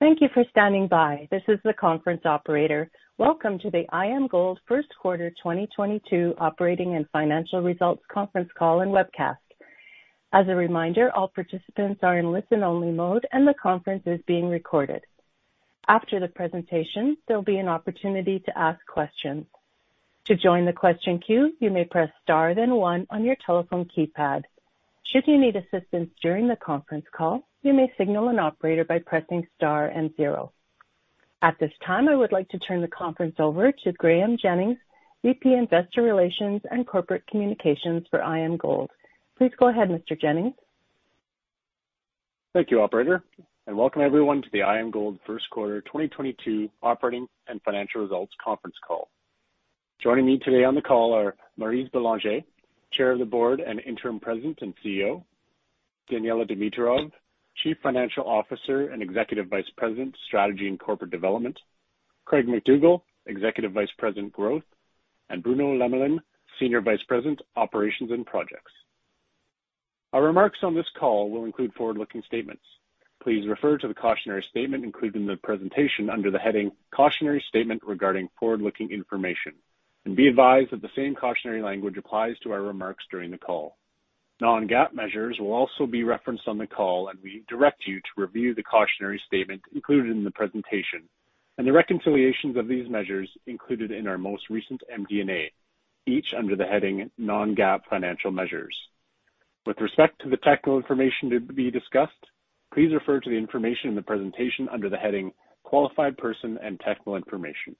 Thank you for standing by. This is the conference operator. Welcome to the IAMGOLD's first quarter 2022 operating and financial results conference call and webcast. As a reminder, all participants are in listen-only mode, and the conference is being recorded. After the presentation, there'll be an opportunity to ask questions. To join the question queue, you may press star then one on your telephone keypad. Should you need assistance during the conference call, you may signal an operator by pressing star and zero. At this time, I would like to turn the conference over to Graeme Jennings, VP, Investor Relations and Corporate Communications for IAMGOLD. Please go ahead, Mr. Jennings. Thank you, operator, and welcome everyone to the IAMGOLD first quarter 2022 operating and financial results conference call. Joining me today on the call are Maryse Bélanger, Chair of the Board and Interim President and CEO, Daniella Dimitrov, Chief Financial Officer and Executive Vice President, Strategy and Corporate Development, Craig MacDougall, Executive Vice President, Growth, and Bruno Lemelin, Senior Vice President, Operations and Projects. Our remarks on this call will include forward-looking statements. Please refer to the cautionary statement included in the presentation under the heading "Cautionary Statement" regarding forward-looking information and be advised that the same cautionary language applies to our remarks during the call. Non-GAAP measures will also be referenced on the call, and we direct you to review the cautionary statement included in the presentation and the reconciliations of these measures included in our most recent MD&A, each under the heading non-GAAP Financial Measures. With respect to the technical information to be discussed, please refer to the information in the presentation under the heading "Qualified Person and Technical Information."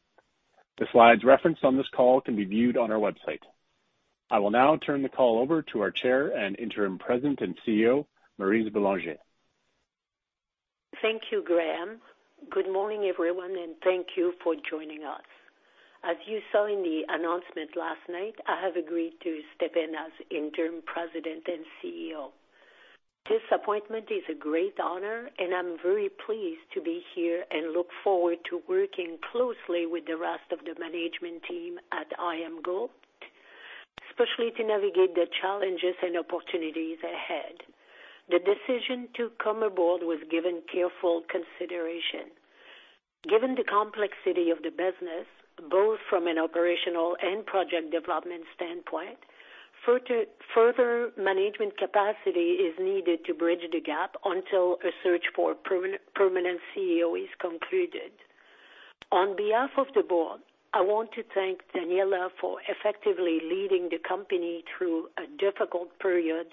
The slides referenced on this call can be viewed on our website. I will now turn the call over to our Chair and Interim President and CEO, Maryse Bélanger. Thank you, Graeme. Good morning, everyone, and thank you for joining us. As you saw in the announcement last night, I have agreed to step in as Interim President and CEO. This appointment is a great honor, and I'm very pleased to be here and look forward to working closely with the rest of the management team at IAMGOLD, especially to navigate the challenges and opportunities ahead. The decision to come aboard was given careful consideration. Given the complexity of the business, both from an operational and project development standpoint, further management capacity is needed to bridge the gap until a search for permanent CEO is concluded. On behalf of the Board, I want to thank Daniella for effectively leading the company through a difficult period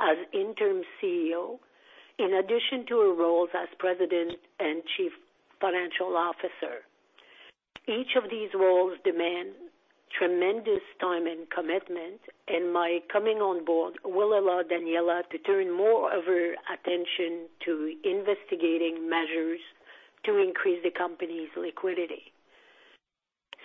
as Interim CEO, in addition to her roles as President and Chief Financial Officer. Each of these roles demand tremendous time and commitment, and my coming on board will allow Daniella to turn more of her attention to investigating measures to increase the company's liquidity.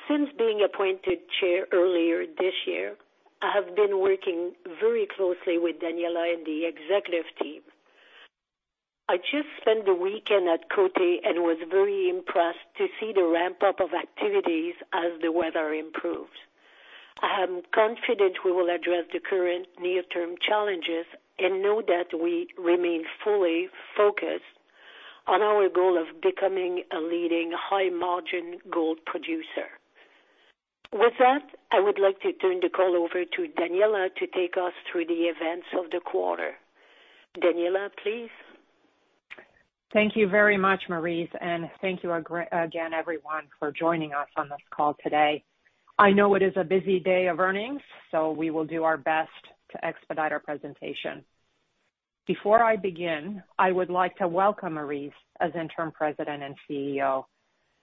Since being appointed Chair earlier this year, I have been working very closely with Daniella and the executive team. I just spent the weekend at Côté and was very impressed to see the ramp-up of activities as the weather improved. I am confident we will address the current near-term challenges and know that we remain fully focused on our goal of becoming a leading high-margin gold producer. With that, I would like to turn the call over to Daniella to take us through the events of the quarter. Daniella, please. Thank you very much, Maryse, and thank you again, everyone, for joining us on this call today. I know it is a busy day of earnings, so we will do our best to expedite our presentation. Before I begin, I would like to welcome Maryse as Interim President and CEO.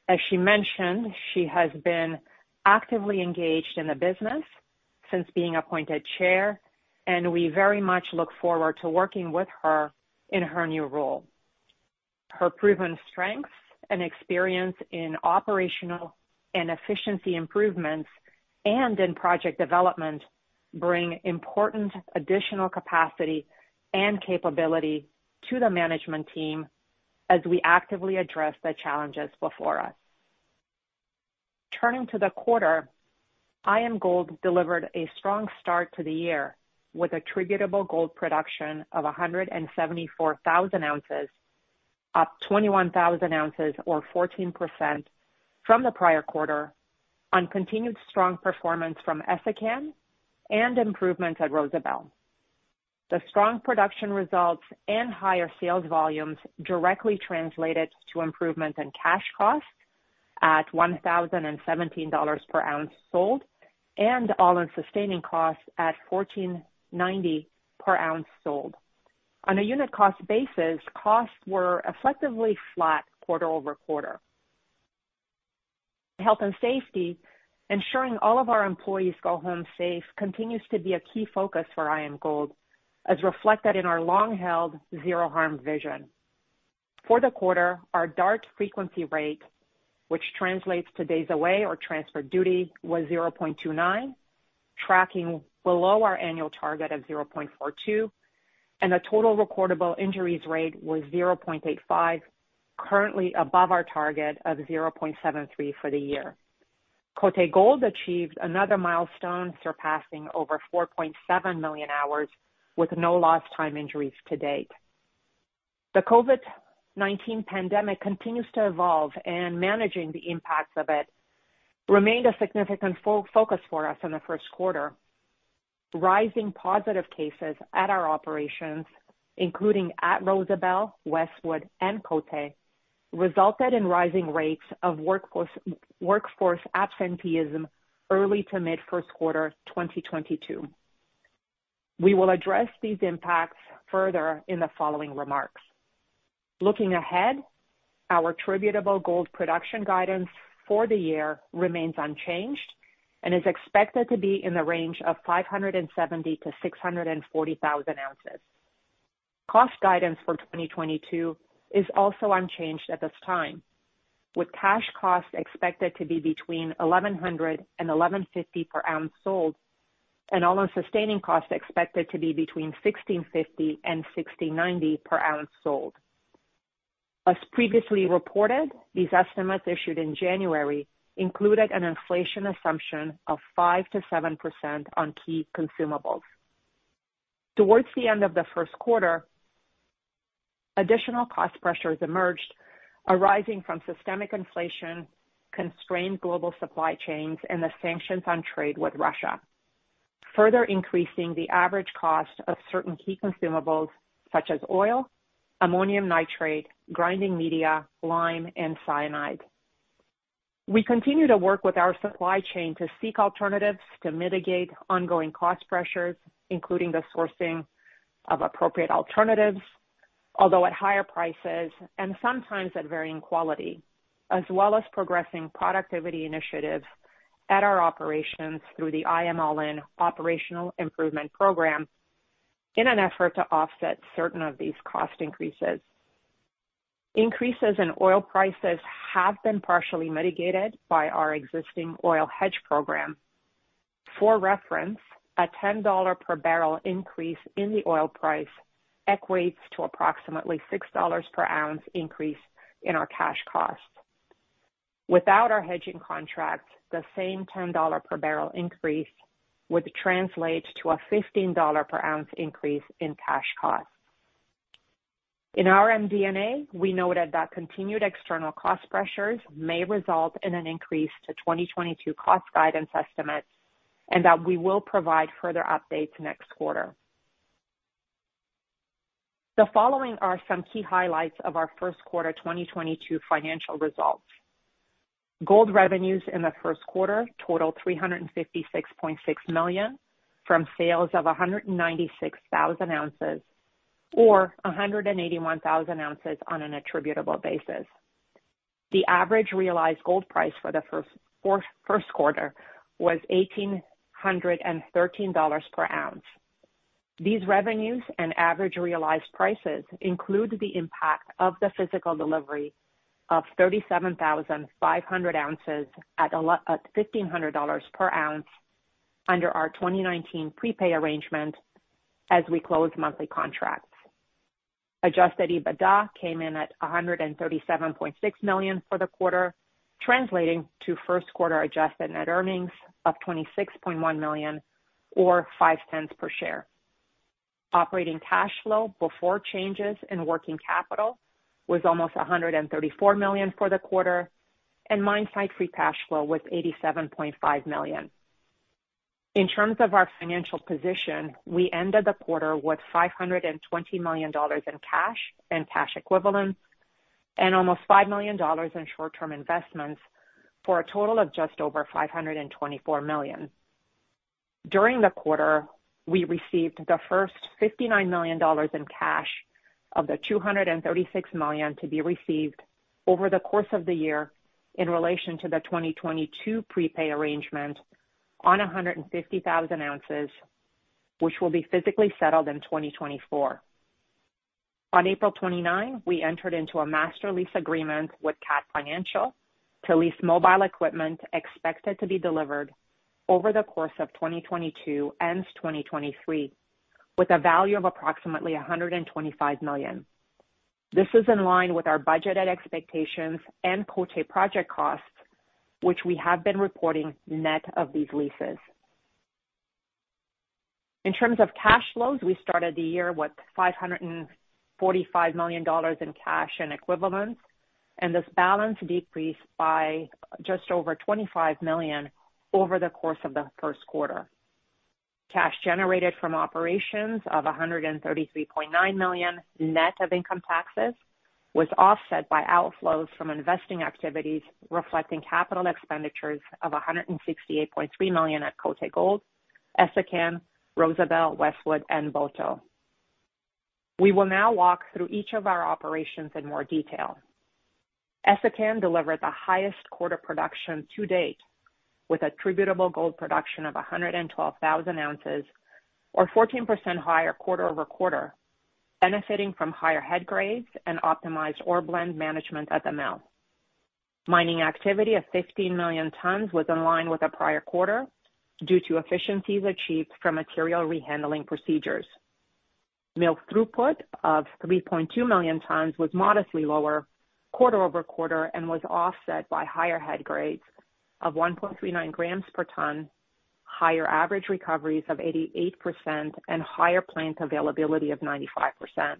As she mentioned, she has been actively engaged in the business since being appointed Chair, and we very much look forward to working with her in her new role. Her proven strengths and experience in operational and efficiency improvements and in project development bring important additional capacity and capability to the management team as we actively address the challenges before us. Turning to the quarter, IAMGOLD delivered a strong start to the year with attributable gold production of 174,000 oz, up 21,000 oz or 14% from the prior quarter on continued strong performance from Essakane and improvements at Rosebel. The strong production results and higher sales volumes directly translated to improvement in cash costs at $1,017 per ounce sold and all-in sustaining costs at $1,490 per ounce sold. On a unit cost basis, costs were effectively flat quarter-over-quarter. Health and safety, ensuring all of our employees go home safe, continues to be a key focus for IAMGOLD, as reflected in our long-held zero harm vision. For the quarter, our DART frequency rate, which translates to days away or transfer duty, was 0.29, tracking below our annual target of 0.42, and the total recordable injuries rate was 0.85, currently above our target of 0.73 for the year. Côté Gold achieved another milestone, surpassing over 4.7 million hours with no lost time injuries to date. The COVID-19 pandemic continues to evolve, and managing the impacts of it remained a significant focus for us in the first quarter. Rising positive cases at our operations, including at Rosebel, Westwood, and Côté, resulted in rising rates of workforce absenteeism early to mid first quarter 2022. We will address these impacts further in the following remarks. Looking ahead, our attributable gold production guidance for the year remains unchanged and is expected to be in the range of 570,000 oz-640,000 oz. Cost guidance for 2022 is also unchanged at this time, with cash costs expected to be between $1,100-$1,150 per ounce sold, and all-in sustaining costs expected to be between $1,650-$1,690 per ounce sold. As previously reported, these estimates issued in January included an inflation assumption of 5%-7% on key consumables. Towards the end of the first quarter, additional cost pressures emerged, arising from systemic inflation, constrained global supply chains, and the sanctions on trade with Russia, further increasing the average cost of certain key consumables such as oil, ammonium nitrate, grinding media, lime, and cyanide. We continue to work with our supply chain to seek alternatives to mitigate ongoing cost pressures, including the sourcing of appropriate alternatives, although at higher prices and sometimes at varying quality, as well as progressing productivity initiatives at our operations through the IAMALLIN operational improvement program in an effort to offset certain of these cost increases. Increases in oil prices have been partially mitigated by our existing oil hedge program. For reference, a $10 per barrel increase in the oil price equates to approximately $6 per ounce increase in our cash costs. Without our hedging contracts, the same $10 per barrel increase would translate to a $15 per ounce increase in cash costs. In our MD&A, we noted that continued external cost pressures may result in an increase to 2022 cost guidance estimates and that we will provide further updates next quarter. The following are some key highlights of our first quarter 2022 financial results. Gold revenues in the first quarter totaled $356.6 million, from sales of 196,000 oz or 181,000 oz on an attributable basis. The average realized gold price for the first quarter was $1,813 per ounce. These revenues and average realized prices include the impact of the physical delivery of 37,500 oz at $1,500 per ounce under our 2019 prepay arrangement as we close monthly contracts. Adjusted EBITDA came in at $137.6 million for the quarter, translating to first quarter adjusted net earnings of $26.1 million or $0.05 per share. Operating cash flow before changes in working capital was almost $134 million for the quarter, and mine site-free cash flow was $87.5 million. In terms of our financial position, we ended the quarter with $520 million in cash and cash equivalents and almost $5 million in short-term investments, for a total of just over $524 million. During the quarter, we received the first $59 million in cash of the $236 million to be received over the course of the year in relation to the 2022 prepay arrangement on 150,000 oz, which will be physically settled in 2024. On April 29, we entered into a master lease agreement with Caterpillar Financial to lease mobile equipment expected to be delivered over the course of 2022 and 2023, with a value of approximately $125 million. This is in line with our budgeted expectations and Côté project costs, which we have been reporting net of these leases. In terms of cash flows, we started the year with $545 million in cash and equivalents, and this balance decreased by just over $25 million over the course of the first quarter. Cash generated from operations of $133.9 million, net of income taxes, was offset by outflows from investing activities, reflecting CapEx of $168.3 million at Côté Gold, Essakane, Rosebel, Westwood, and Boto. We will now walk through each of our operations in more detail. Essakane delivered the highest quarter production to date, with attributable gold production of 112,000 oz or 14% higher quarter-over-quarter, benefiting from higher head grades and optimized ore blend management at the mill. Mining activity of 15 million tons was in line with the prior quarter due to efficiencies achieved from material rehandling procedures. Mill throughput of 3.2 million tons was modestly lower quarter-over-quarter and was offset by higher head grades of 1.39 g per ton, higher average recoveries of 88%, and higher plant availability of 95%.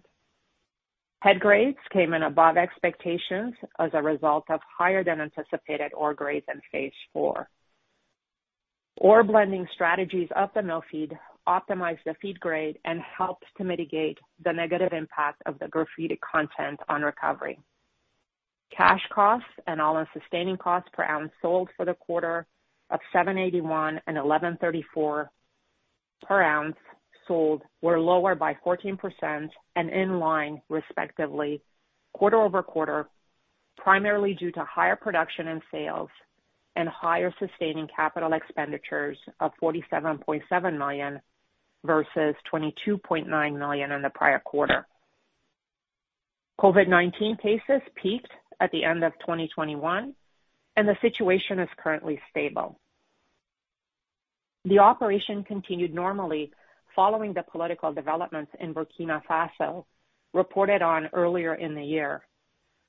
Head grades came in above expectations as a result of higher than anticipated ore grades in Phase 4. Ore blending strategies of the mill feed optimize the feed grade and helps to mitigate the negative impact of the graphitic content on recovery. Cash costs and all-in sustaining costs per ounce sold for the quarter of $781 and $1,134 per ounce sold were lower by 14% and in line, respectively, quarter-over-quarter, primarily due to higher production and sales and higher sustaining CapEx of $47.7 million versus $22.9 million in the prior quarter. COVID-19 cases peaked at the end of 2021, and the situation is currently stable. The operation continued normally following the political developments in Burkina Faso reported on earlier in the year.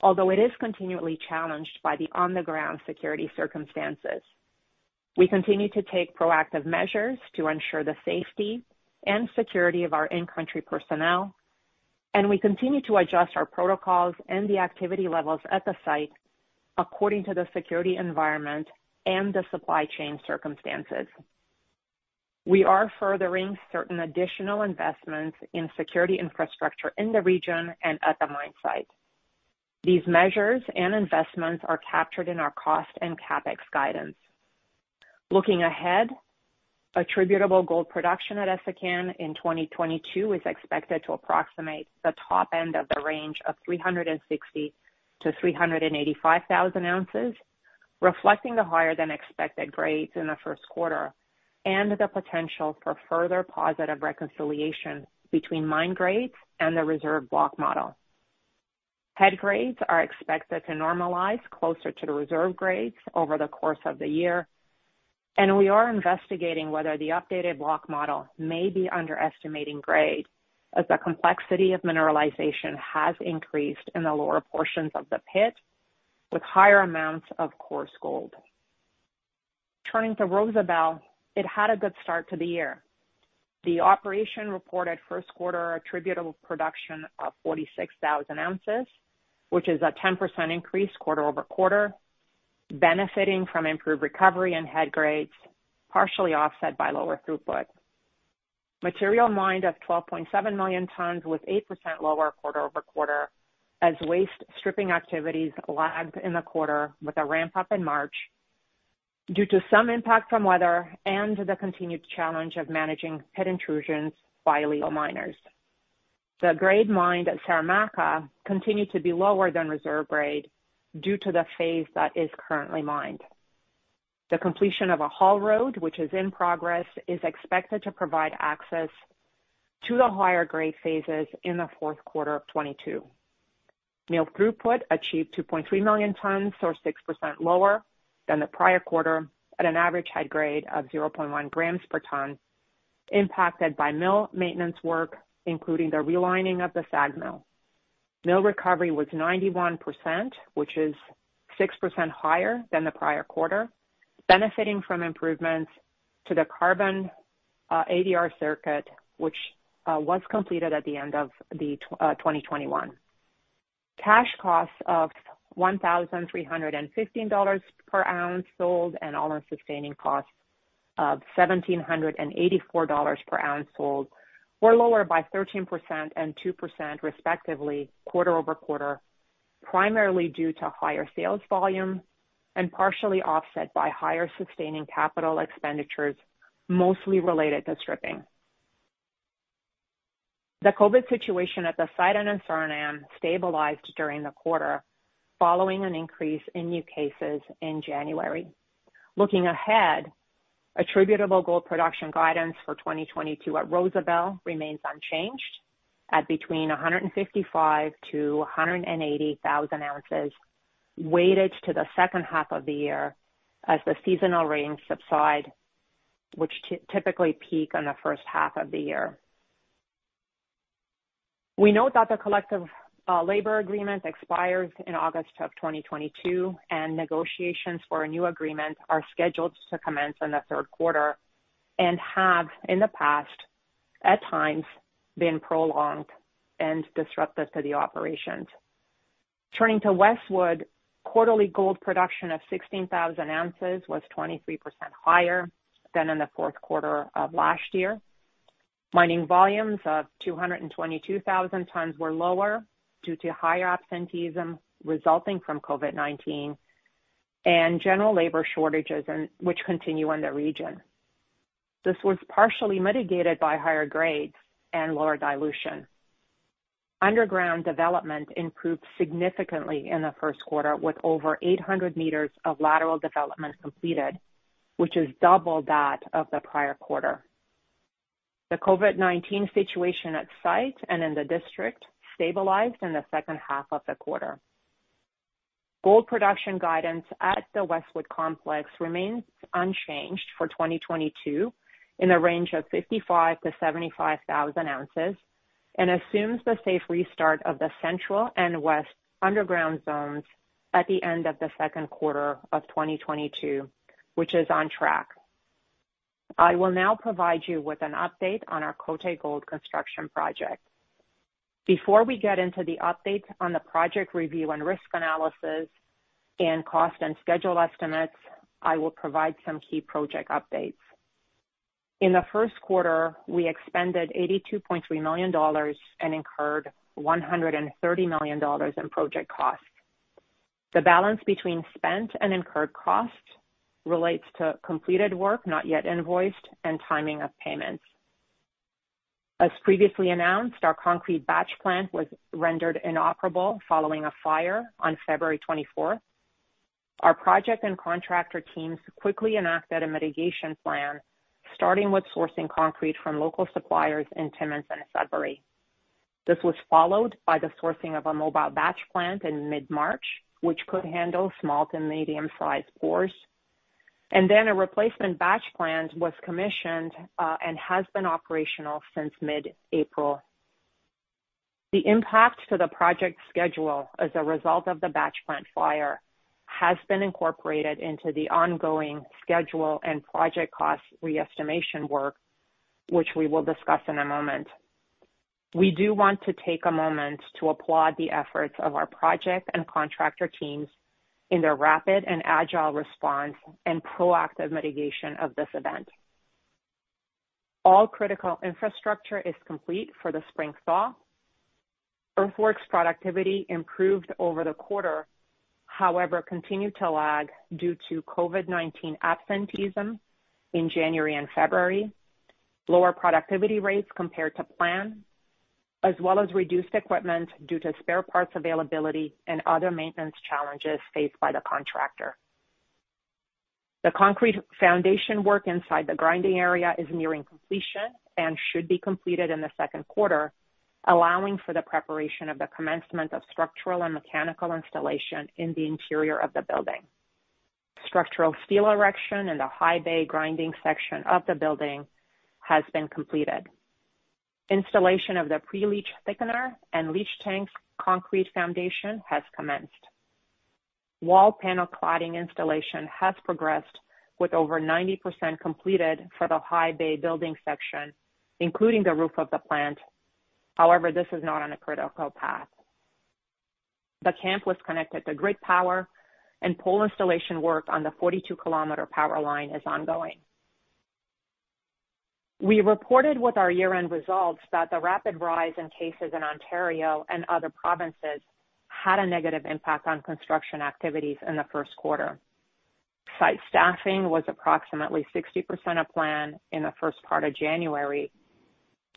Although it is continually challenged by the on-the-ground security circumstances. We continue to take proactive measures to ensure the safety and security of our in-country personnel, and we continue to adjust our protocols and the activity levels at the site according to the security environment and the supply chain circumstances. We are furthering certain additional investments in security infrastructure in the region and at the mine site. These measures and investments are captured in our cost and CapEx guidance. Looking ahead, attributable gold production at Essakane in 2022 is expected to approximate the top end of the range of 360,000 oz-385,000 oz, reflecting the higher-than-expected grades in the first quarter and the potential for further positive reconciliation between mine grades and the reserve block model. Head grades are expected to normalize closer to the reserve grades over the course of the year, and we are investigating whether the updated block model may be underestimating grade as the complexity of mineralization has increased in the lower portions of the pit, with higher amounts of coarse gold. Turning to Rosebel, it had a good start to the year. The operation reported first quarter attributable production of 46,000 oz, which is a 10% increase quarter-over-quarter, benefiting from improved recovery and head grades, partially offset by lower throughput. Material mined of 12.7 million tons was 8% lower quarter-over-quarter as waste stripping activities lagged in the quarter with a ramp-up in March due to some impact from weather and the continued challenge of managing pit intrusions by illegal miners. The grade mined at Saramacca continued to be lower than reserve grade due to the phase that is currently mined. The completion of a haul road, which is in progress, is expected to provide access to the higher-grade phases in the fourth quarter of 2022. Mill throughput achieved 2.3 million tons or 6% lower than the prior quarter at an average head grade of 0.1 g per ton, impacted by mill maintenance work, including the realigning of the SAG mill. Mill recovery was 91%, which is 6% higher than the prior quarter, benefiting from improvements to the carbon ADR circuit, which was completed at the end of 2021. Cash costs of $1,315 per ounce sold and all-in sustaining costs of $1,784 per ounce sold were lower by 13% and 2% respectively quarter-over-quarter, primarily due to higher sales volume and partially offset by higher sustaining CapEx, mostly related to stripping. The COVID situation at the site in Suriname stabilized during the quarter following an increase in new cases in January. Looking ahead, attributable gold production guidance for 2022 at Rosebel remains unchanged at between 155,000 oz-180,000 oz, weighted to the second half of the year as the seasonal rains subside, which typically peak in the first half of the year. We note that the collective labor agreement expires in August of 2022, and negotiations for a new agreement are scheduled to commence in the third quarter and have in the past, at times, been prolonged and disruptive to the operations. Turning to Westwood, quarterly gold production of 16,000 oz was 23% higher than in the fourth quarter of last year. Mining volumes of 222,000 tons were lower due to higher absenteeism resulting from COVID-19 and general labor shortages in the region, which continue in the region. This was partially mitigated by higher grades and lower dilution. Underground development improved significantly in the first quarter, with over 800 m of lateral development completed, which is double that of the prior quarter. The COVID-19 situation at site and in the district stabilized in the second half of the quarter. Gold production guidance at the Westwood Complex remains unchanged for 2022 in the range of 55,000 oz-75,000 oz and assumes the safe restart of the central and west underground zones at the end of the second quarter of 2022, which is on track. I will now provide you with an update on our Côté Gold construction project. Before we get into the update on the project review and risk analysis and cost and schedule estimates, I will provide some key project updates. In the first quarter, we expended $82.3 million and incurred $130 million in project costs. The balance between spent and incurred costs relates to completed work not yet invoiced and timing of payments. As previously announced, our concrete batch plant was rendered inoperable following a fire on February 24th. Our project and contractor teams quickly enacted a mitigation plan, starting with sourcing concrete from local suppliers in Timmins and Sudbury. This was followed by the sourcing of a mobile batch plant in mid-March, which could handle small to medium-sized pours, and then a replacement batch plant was commissioned, and has been operational since mid-April. The impact to the project schedule as a result of the batch plant fire has been incorporated into the ongoing schedule and project cost re-estimation work, which we will discuss in a moment. We do want to take a moment to applaud the efforts of our project and contractor teams in their rapid and agile response and proactive mitigation of this event. All critical infrastructure is complete for the spring thaw. Earthworks productivity improved over the quarter, however, continued to lag due to COVID-19 absenteeism in January and February, lower productivity rates compared to plan, as well as reduced equipment due to spare parts availability and other maintenance challenges faced by the contractor. The concrete foundation work inside the grinding area is nearing completion and should be completed in the second quarter, allowing for the preparation of the commencement of structural and mechanical installation in the interior of the building. Structural steel erection in the high bay grinding section of the building has been completed. Installation of the pre-leach thickener and leach tank concrete foundation has commenced. Wall panel cladding installation has progressed with over 90% completed for the high bay building section, including the roof of the plant. However, this is not on a critical path. The camp was connected to grid power and pole installation work on the 42-km power line is ongoing. We reported with our year-end results that the rapid rise in cases in Ontario and other provinces had a negative impact on construction activities in the first quarter. Site staffing was approximately 60% of plan in the first part of January,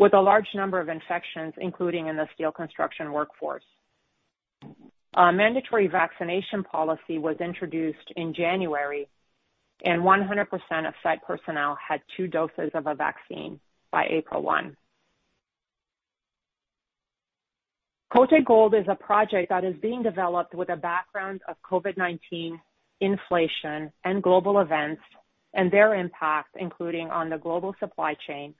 with a large number of infections, including in the steel construction workforce. A mandatory vaccination policy was introduced in January and 100% of site personnel had two doses of a vaccine by April 1. Côté Gold is a project that is being developed with a background of COVID-19 inflation and global events and their impact, including on the global supply chain,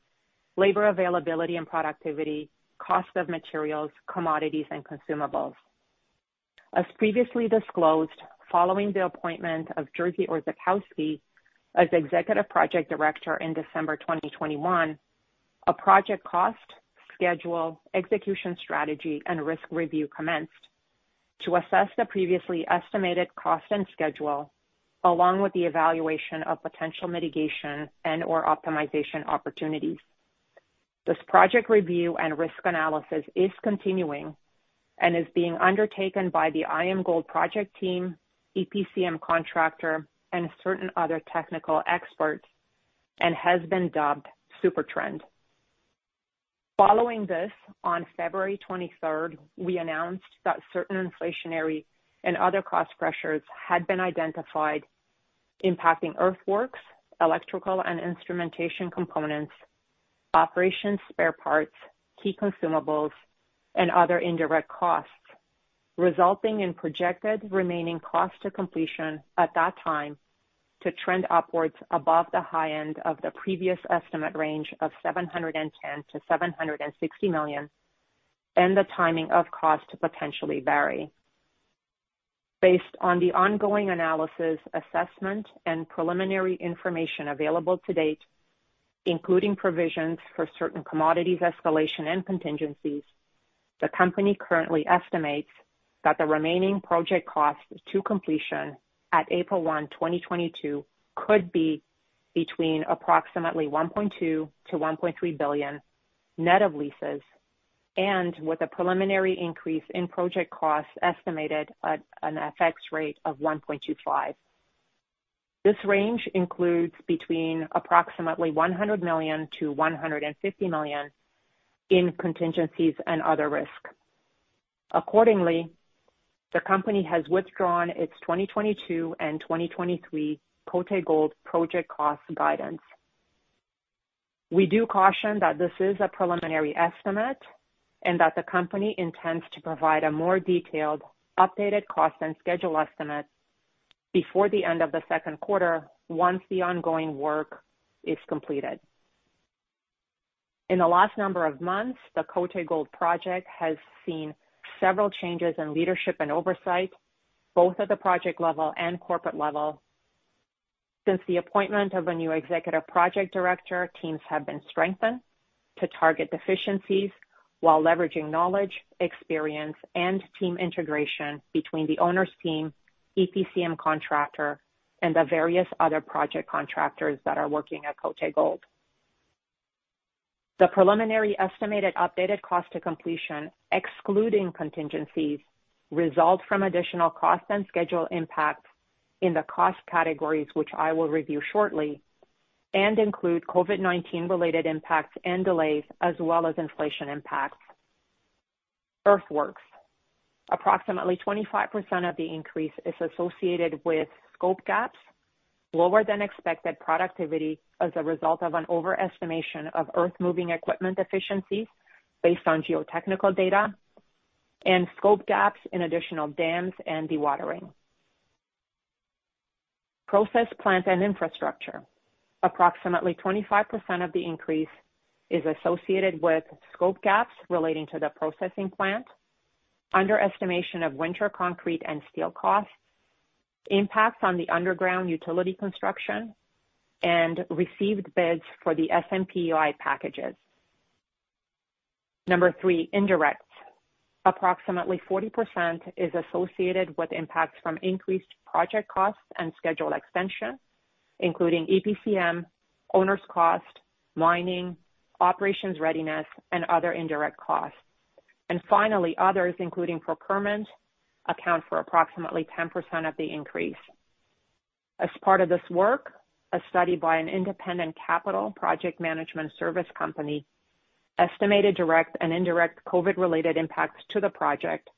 labor availability and productivity, cost of materials, commodities, and consumables. As previously disclosed, following the appointment of Jerzy Orzechowski as Executive Project Director in December 2021, a project cost, schedule, execution strategy, and risk review commenced to assess the previously estimated cost and schedule, along with the evaluation of potential mitigation and/or optimization opportunities. This project review and risk analysis is continuing and is being undertaken by the IAMGOLD project team, EPCM contractor, and certain other technical experts, and has been dubbed Supertrend. Following this, on February 23, we announced that certain inflationary and other cost pressures had been identified impacting earthworks, electrical and instrumentation components, operations spare parts, key consumables, and other indirect costs, resulting in projected remaining cost to completion at that time to trend upwards above the high end of the previous estimate range of $710 million-$760 million, and the timing of cost to potentially vary. Based on the ongoing analysis, assessment, and preliminary information available to date, including provisions for certain commodities, escalation, and contingencies, the company currently estimates that the remaining project cost to completion at April 1, 2022 could be between approximately $1.2 billion-$1.3 billion net of leases and with a preliminary increase in project costs estimated at an FX rate of 1.25. This range includes between approximately $100 million-$150 million in contingencies and other risk. Accordingly, the company has withdrawn its 2022 and 2023 Côté Gold project cost guidance. We do caution that this is a preliminary estimate and that the company intends to provide a more detailed updated cost and schedule estimate before the end of the second quarter once the ongoing work is completed. In the last number of months, the Côté Gold Project has seen several changes in leadership and oversight, both at the project level and corporate level. Since the appointment of a new executive project director, teams have been strengthened to target deficiencies while leveraging knowledge, experience, and team integration between the owner's team, EPCM contractor, and the various other project contractors that are working at Côté Gold. The preliminary estimated updated cost to completion, excluding contingencies, result from additional cost and schedule impacts in the cost categories, which I will review shortly, and include COVID-19 related impacts and delays as well as inflation impacts. Earthworks. Approximately 25% of the increase is associated with scope gaps, lower than expected productivity as a result of an overestimation of earth-moving equipment efficiencies based on geotechnical data, and scope gaps in additional dams and dewatering. Process plant and infrastructure. Approximately 25% of the increase is associated with scope gaps relating to the processing plant, underestimation of winter concrete and steel costs, impacts on the underground utility construction, and received bids for the SMPP&I packages. Number three, indirects. Approximately 40% is associated with impacts from increased project costs and schedule extension, including EPCM, owner's cost, mining, operations readiness, and other indirect costs. Finally, others, including procurement, account for approximately 10% of the increase. As part of this work, a study by an independent capital project management service company estimated direct and indirect COVID-related impacts to the project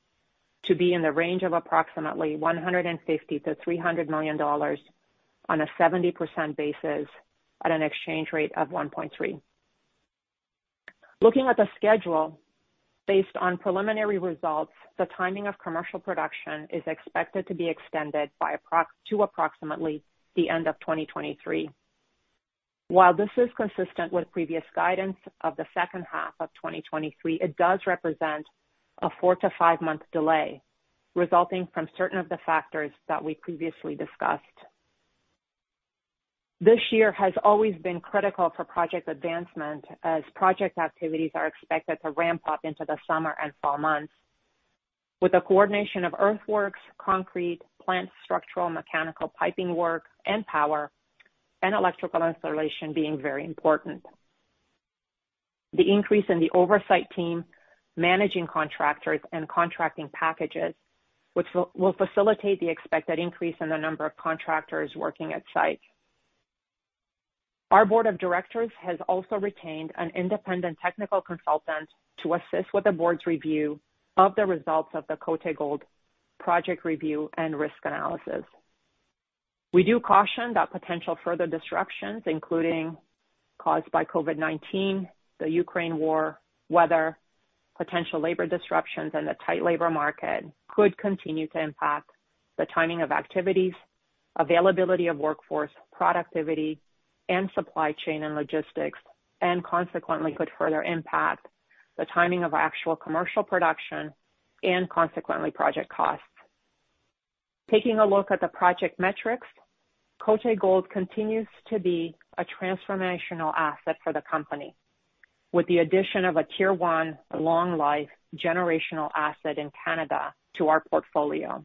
to be in the range of approximately $150 million-$300 million on a 70% basis at an exchange rate of 1.3. Looking at the schedule based on preliminary results, the timing of commercial production is expected to be extended by to approximately the end of 2023. While this is consistent with previous guidance of the second half of 2023, it does represent a four- to five-month delay, resulting from certain of the factors that we previously discussed. This year has always been critical for project advancement as project activities are expected to ramp up into the summer and fall months with the coordination of earthworks, concrete, plant structural, mechanical piping work, and power and electrical installation being very important. The increase in the oversight team managing contractors and contracting packages, which will facilitate the expected increase in the number of contractors working at site. Our Board of Directors has also retained an independent technical consultant to assist with the Board's review of the results of the Côté Gold project review and risk analysis. We do caution that potential further disruptions, including caused by COVID-19, the Ukraine war, weather, potential labor disruptions in the tight labor market, could continue to impact the timing of activities, availability of workforce, productivity, and supply chain and logistics, and consequently could further impact the timing of actual commercial production and consequently project costs. Taking a look at the project metrics, Côté Gold continues to be a transformational asset for the company, with the addition of a tier one long life generational asset in Canada to our portfolio.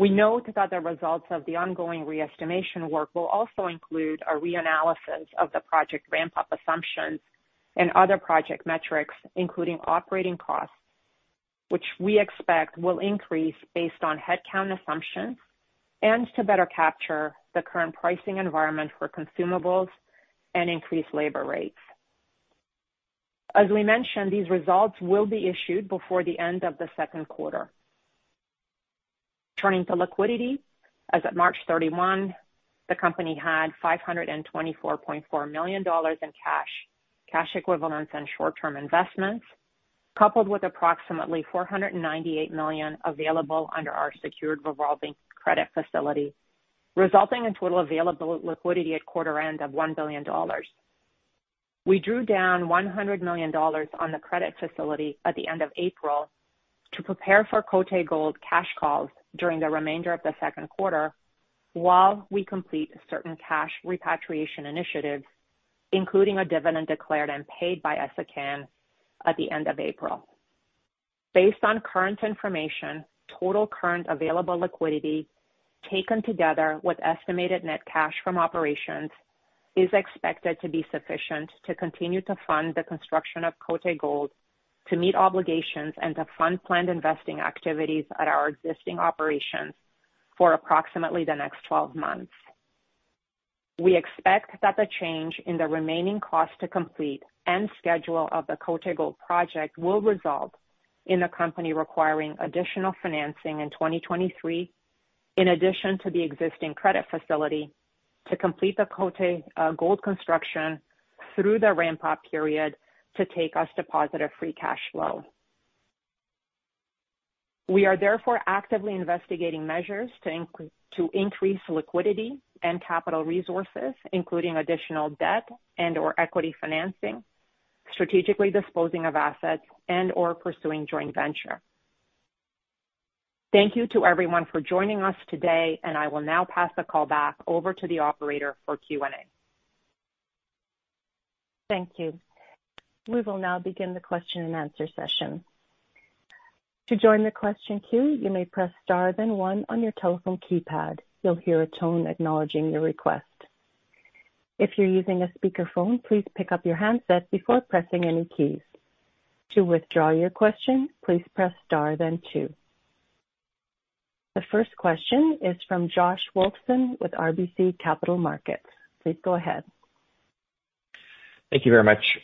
We note that the results of the ongoing re-estimation work will also include a reanalysis of the project ramp-up assumptions and other project metrics, including operating costs, which we expect will increase based on headcount assumptions and to better capture the current pricing environment for consumables and increased labor rates. As we mentioned, these results will be issued before the end of the second quarter. Turning to liquidity, as of March 31, the company had $524.4 million in cash equivalents, and short-term investments, coupled with approximately $498 million available under our secured revolving credit facility, resulting in total available liquidity at quarter end of $1 billion. We drew down $100 million on the credit facility at the end of April to prepare for Côté Gold cash calls during the remainder of the second quarter while we complete certain cash repatriation initiatives, including a dividend declared and paid by Essakane at the end of April. Based on current information, total current available liquidity, taken together with estimated net cash from operations, is expected to be sufficient to continue to fund the construction of Côté Gold, to meet obligations and to fund planned investing activities at our existing operations for approximately the next 12 months. We expect that the change in the remaining cost to complete and schedule of the Côté Gold project will result in the company requiring additional financing in 2023. In addition to the existing credit facility to complete the Côté Gold construction through the ramp-up period to take us to positive free cash flow. We are therefore actively investigating measures to increase liquidity and capital resources, including additional debt and/or equity financing, strategically disposing of assets and/or pursuing joint venture. Thank you to everyone for joining us today, and I will now pass the call back over to the operator for Q&A. Thank you. We will now begin the question-and-answer session. To join the question queue, you may press star then one on your telephone keypad. You'll hear a tone acknowledging your request. If you're using a speakerphone, please pick up your handset before pressing any keys. To withdraw your question, please press star then two. The first question is from Josh Wolfson with RBC Capital Markets. Please go ahead. Thank you very much.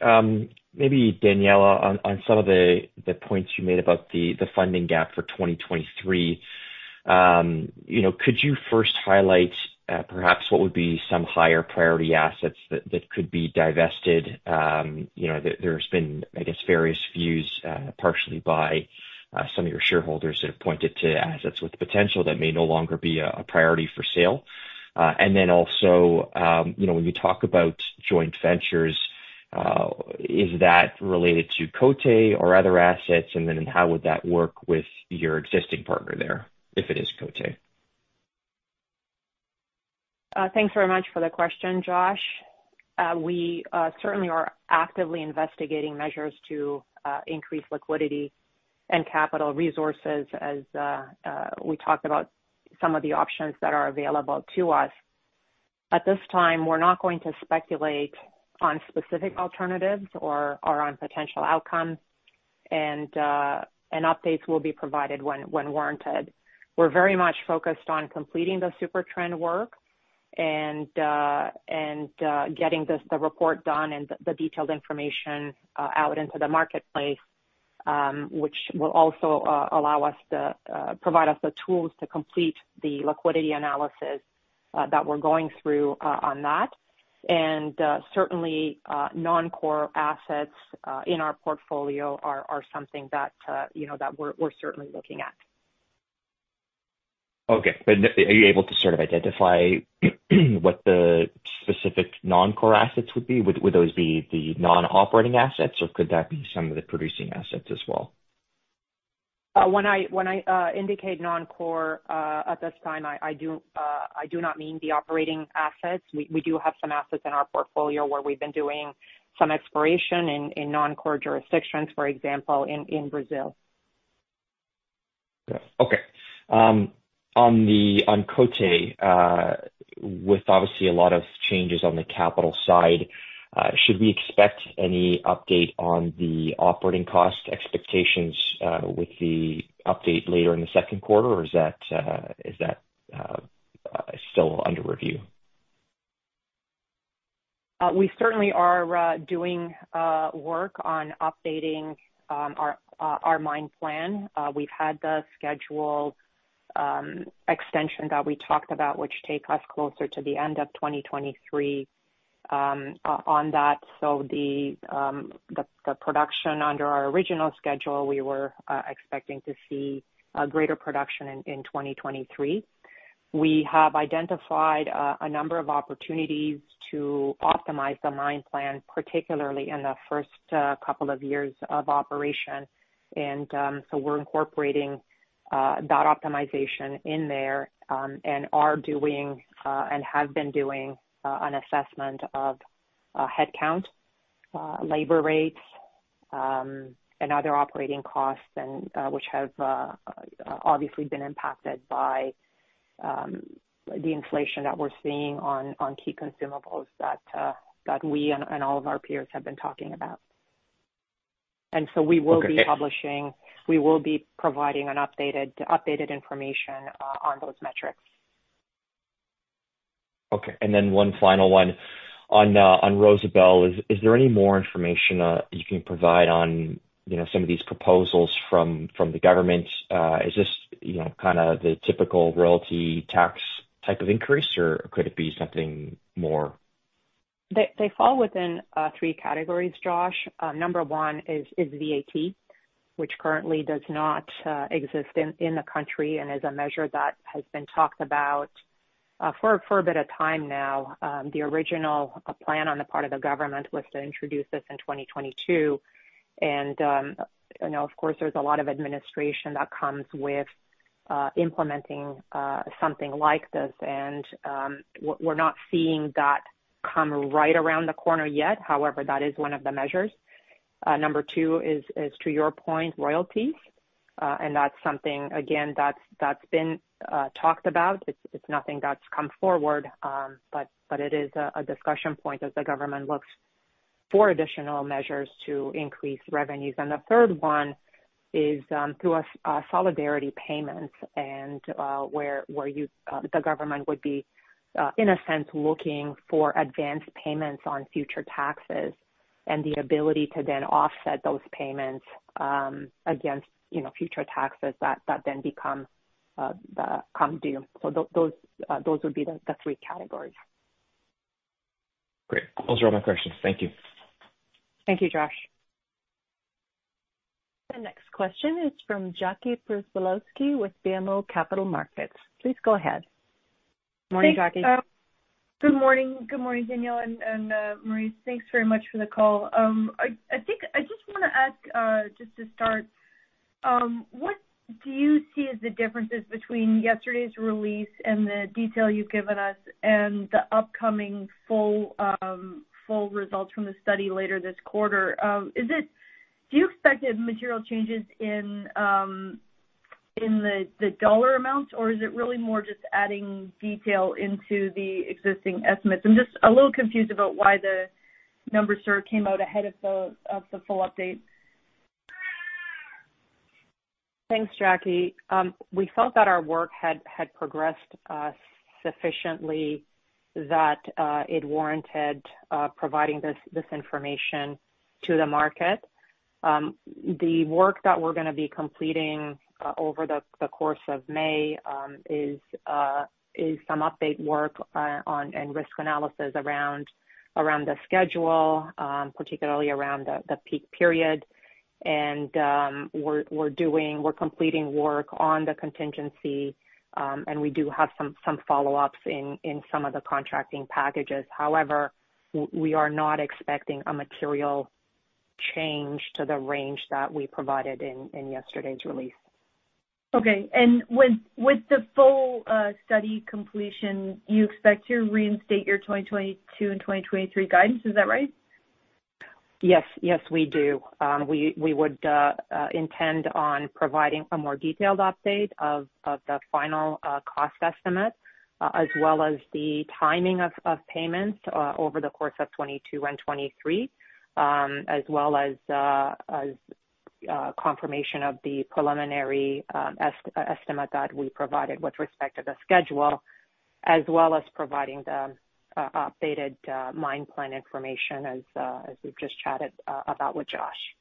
Maybe Daniella, on some of the points you made about the funding gap for 2023, you know, could you first highlight perhaps what would be some higher priority assets that could be divested? You know, there's been, I guess, various views partially by some of your shareholders that have pointed to assets with potential that may no longer be a priority for sale. Also, you know, when you talk about joint ventures, is that related to Côté or other assets? How would that work with your existing partner there, if it is Côté? Thanks very much for the question, Josh. We certainly are actively investigating measures to increase liquidity and capital resources as we talked about some of the options that are available to us. At this time, we're not going to speculate on specific alternatives or on potential outcomes and updates will be provided when warranted. We're very much focused on completing the Supertrend work and getting the report done and the detailed information out into the marketplace, which will also allow us to provide us the tools to complete the liquidity analysis that we're going through on that. Certainly, non-core assets in our portfolio are something that you know that we're certainly looking at. Okay. Are you able to sort of identify what the specific non-core assets would be? Would those be the non-operating assets or could that be some of the producing assets as well? When I indicate non-core at this time, I do not mean the operating assets. We do have some assets in our portfolio where we've been doing some exploration in non-core jurisdictions, for example, in Brazil. Okay. On Côté, with obviously a lot of changes on the capital side, should we expect any update on the operating cost expectations with the update later in the second quarter? Or is that still under review? We certainly are doing work on updating our mine plan. We've had the scheduled extension that we talked about, which take us closer to the end of 2023 on that. The production under our original schedule, we were expecting to see a greater production in 2023. We have identified a number of opportunities to optimize the mine plan, particularly in the first couple of years of operation. We're incorporating that optimization in there and have been doing an assessment of headcount, labor rates, and other operating costs, which have obviously been impacted by the inflation that we're seeing on key consumables that we and all of our peers have been talking about. We will be publishing- Okay. We will be providing an updated information on those metrics. Okay. One final one on Rosebel. Is there any more information you can provide on, you know, some of these proposals from the government? Is this, you know, kind of the typical royalty tax type of increase or could it be something more? They fall within three categories, Josh. Number one is VAT, which currently does not exist in the country and is a measure that has been talked about for a bit of time now. The original plan on the part of the government was to introduce this in 2022. You know, of course, there's a lot of administration that comes with implementing something like this. We're not seeing that come right around the corner yet. However, that is one of the measures. Number two is, to your point, royalties. That's something again that's been talked about. It's nothing that's come forward. It is a discussion point as the government looks for additional measures to increase revenues. The third one is through a solidarity payment and whereby the government would be in a sense looking for advanced payments on future taxes. The ability to then offset those payments against you know future taxes that then become due. Those would be the three categories. Great. Those are all my questions. Thank you. Thank you, Josh. The next question is from Jackie Przybylowski with BMO Capital Markets. Please go ahead. Morning, Jackie. Good morning. Good morning, Daniella and Maryse. Thanks very much for the call. I think I just wanna ask, just to start, what do you see as the differences between yesterday's release and the detail you've given us and the upcoming full results from the study later this quarter? Is it do you expect material changes in the dollar amounts, or is it really more just adding detail into the existing estimates? I'm just a little confused about why the numbers sort of came out ahead of the full update. Thanks, Jackie. We felt that our work had progressed sufficiently that it warranted providing this information to the market. The work that we're gonna be completing over the course of May is some update work on and risk analysis around the schedule, particularly around the peak period. We're completing work on the contingency and we do have some follow-ups in some of the contracting packages. However, we are not expecting a material change to the range that we provided in yesterday's release. Okay. With the full study completion, you expect to reinstate your 2022 and 2023 guidance, is that right? Yes. Yes, we do. We would intend on providing a more detailed update of the final cost estimate as well as the timing of payments over the course of 2022 and 2023, as well as confirmation of the preliminary estimate that we provided with respect to the schedule, as well as providing the updated mine plan information as we've just chatted about with Josh.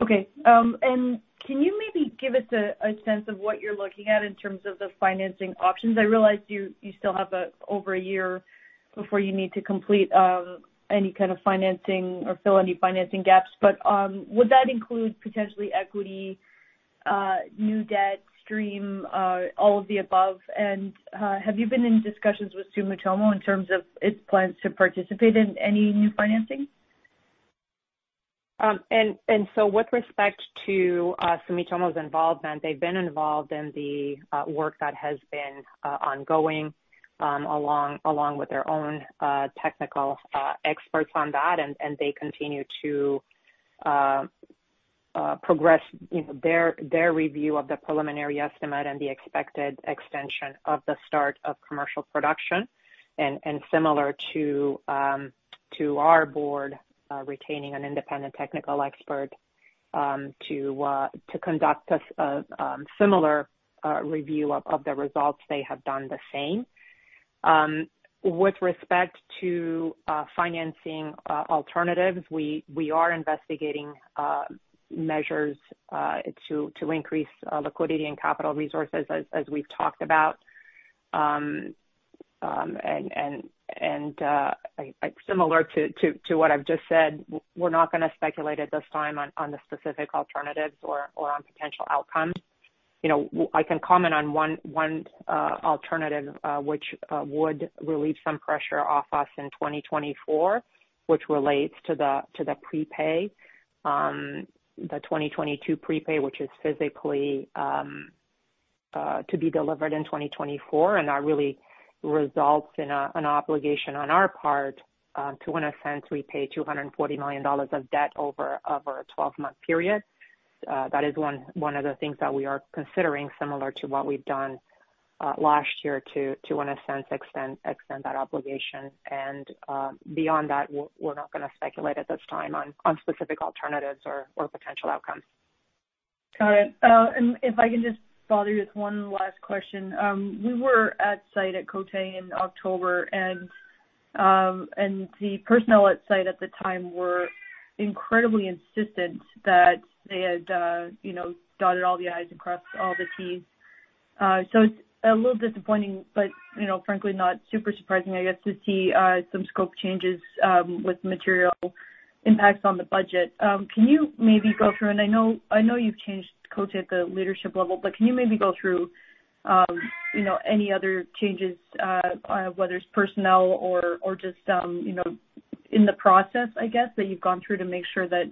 Okay. And can you maybe give us a sense of what you're looking at in terms of the financing options? I realize you still have over a year before you need to complete any kind of financing or fill any financing gaps, but would that include potentially equity, new debt stream, all of the above? Have you been in discussions with Sumitomo in terms of its plans to participate in any new financing? With respect to Sumitomo's involvement, they've been involved in the work that has been ongoing along with their own technical experts on that, and they continue to progress, you know, their review of the preliminary estimate and the expected extension of the start of commercial production. Similar to our Board retaining an independent technical expert to conduct a similar review of the results, they have done the same. With respect to financing alternatives, we are investigating measures to increase liquidity and capital resources, as we've talked about. Like similar to what I've just said, we're not gonna speculate at this time on the specific alternatives or on potential outcomes. You know, I can comment on one alternative, which would relieve some pressure off us in 2024, which relates to the prepay, the 2022 prepay, which is physically to be delivered in 2024, and that really results in an obligation on our part to in a sense repay $240 million of debt over a 12-month period. That is one of the things that we are considering similar to what we've done last year to in a sense extend that obligation. Beyond that, we're not gonna speculate at this time on specific alternatives or potential outcomes. Got it. If I can just bother you with one last question. We were at site at Côté in October and the personnel at site at the time were incredibly insistent that they had, you know, dotted all the I's and crossed all the T's. So it's a little disappointing, but, you know, frankly, not super surprising, I guess, to see some scope changes with material impacts on the budget. Can you maybe go through, and I know you've changed Côté at the leadership level, but can you maybe go through, you know, any other changes, whether it's personnel or just, you know, in the process, I guess, that you've gone through to make sure that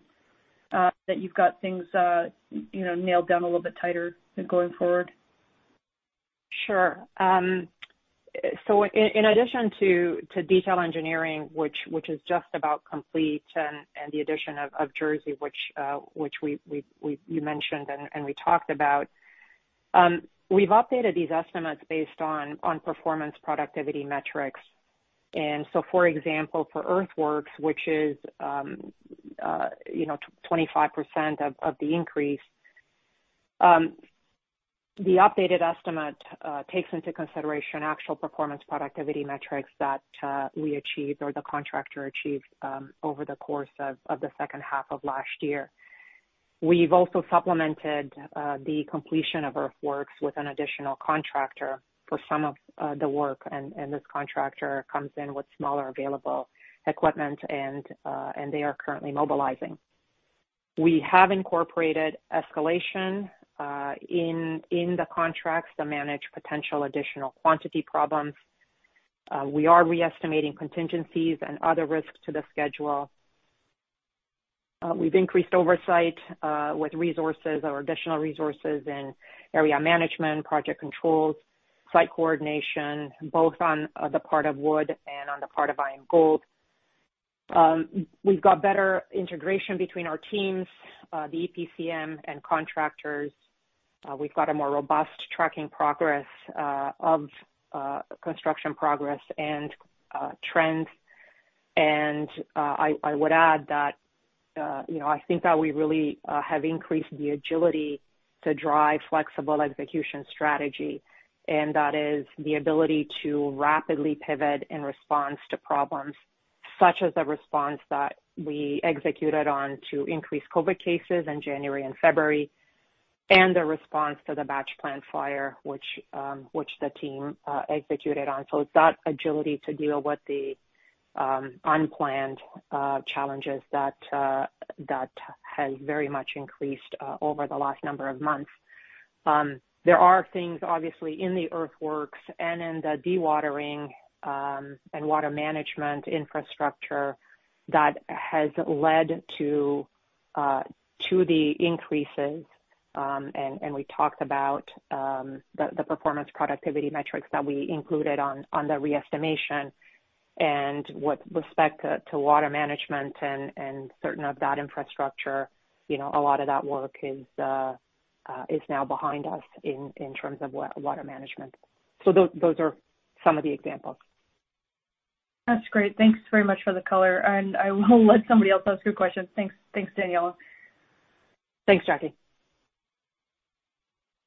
you've got things, you know, nailed down a little bit tighter going forward? Sure. In addition to detailed engineering, which is just about complete and the addition of Jerzy, which you mentioned and we talked about, we've updated these estimates based on performance productivity metrics. For example, for earthworks, which is you know, 25% of the increase, the updated estimate takes into consideration actual performance productivity metrics that we achieved or the contractor achieved over the course of the second half of last year. We've also supplemented the completion of earthworks with an additional contractor for some of the work, and this contractor comes in with smaller available equipment and they are currently mobilizing. We have incorporated escalation in the contracts to manage potential additional quantity problems. We are re-estimating contingencies and other risks to the schedule. We've increased oversight with resources or additional resources in area management, project controls, site coordination, both on the part of Wood and on the part of IAMGOLD. We've got better integration between our teams, the EPCM and contractors. We've got a more robust tracking of construction progress and trends. I would add that, you know, I think that we really have increased the agility to drive flexible execution strategy, and that is the ability to rapidly pivot in response to problems such as the response that we executed on to the increase in COVID cases in January and February, and the response to the batch plant fire which the team executed on. It's that agility to deal with the unplanned challenges that has very much increased over the last number of months. There are things obviously in the earthworks and in the dewatering and water management infrastructure that has led to the increases. We talked about the performance productivity metrics that we included on the re-estimation. With respect to water management and certain of that infrastructure, you know, a lot of that work is now behind us in terms of water management. Those are some of the examples. That's great. Thanks very much for the color, and I will let somebody else ask you questions. Thanks. Thanks, Daniella. Thanks, Jackie.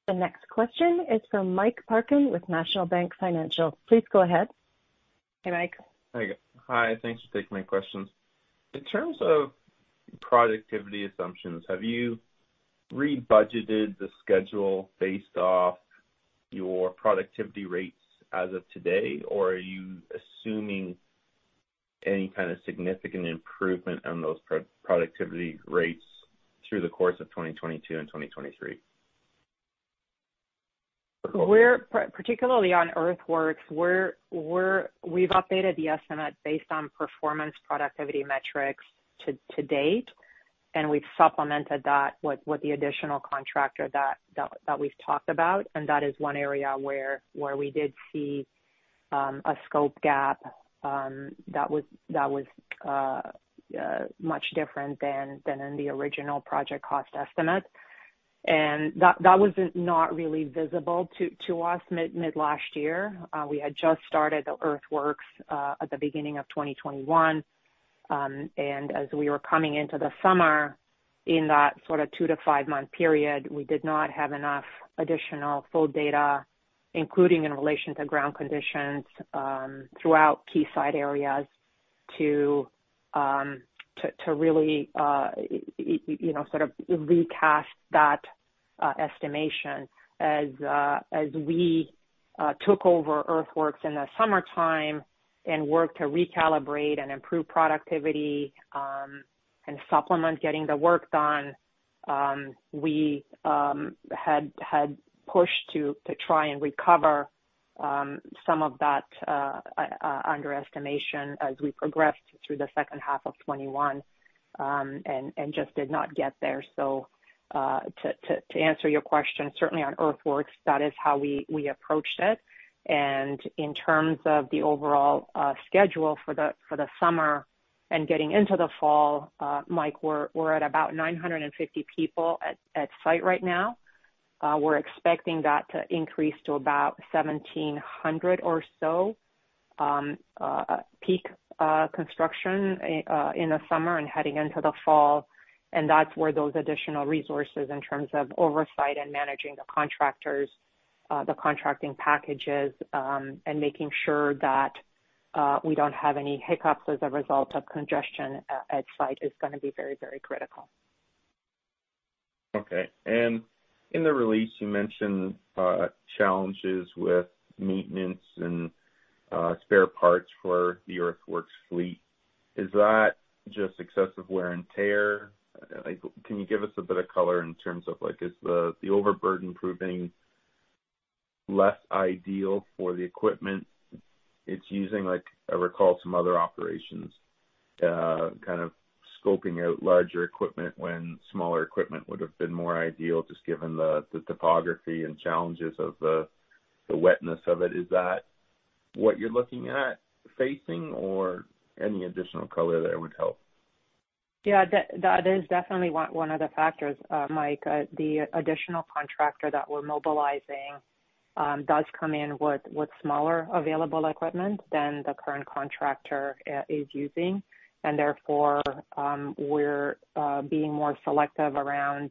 The next question is from Mike Parkin with National Bank Financial. Please go ahead. Hey, Mike. Hi. Hi, thanks for taking my questions. In terms of productivity assumptions, have you rebudgeted the schedule based off your productivity rates as of today? Or are you assuming any kind of significant improvement on those productivity rates through the course of 2022 and 2023? We're—particularly on earthworks, we've updated the estimate based on performance productivity metrics to date, and we've supplemented that with the additional contractor that we've talked about, and that is one area where we did see a scope gap that was much different than in the original project cost estimate. That was not really visible to us mid last year. We had just started the earthworks at the beginning of 2021. As we were coming into the summer in that sort of two- to five-month period, we did not have enough additional full data, including in relation to ground conditions, throughout key site areas to really you know sort of recast that estimation. As we took over earthworks in the summertime and worked to recalibrate and improve productivity, and supplement getting the work done, we had pushed to try and recover some of that underestimation as we progressed through the second half of 2021, and just did not get there. To answer your question, certainly on earthworks, that is how we approached it. In terms of the overall schedule for the summer and getting into the fall, Mike, we're at about 950 people at site right now. We're expecting that to increase to about 1,700 or so peak construction in the summer and heading into the fall. That's where those additional resources in terms of oversight and managing the contractors, the contracting packages, and making sure that we don't have any hiccups as a result of congestion at site is gonna be very, very critical. Okay. In the release, you mentioned challenges with maintenance and spare parts for the earthworks fleet. Is that just excessive wear and tear? Like can you give us a bit of color in terms of like, is the overburden proving less ideal for the equipment it's using, like I recall some other operations kind of scoping out larger equipment when smaller equipment would have been more ideal, just given the topography and challenges of the wetness of it? Is that what you're looking at facing or any additional color there would help? Yeah. That is definitely one of the factors, Mike. The additional contractor that we're mobilizing does come in with smaller available equipment than the current contractor is using. Therefore, we're being more selective around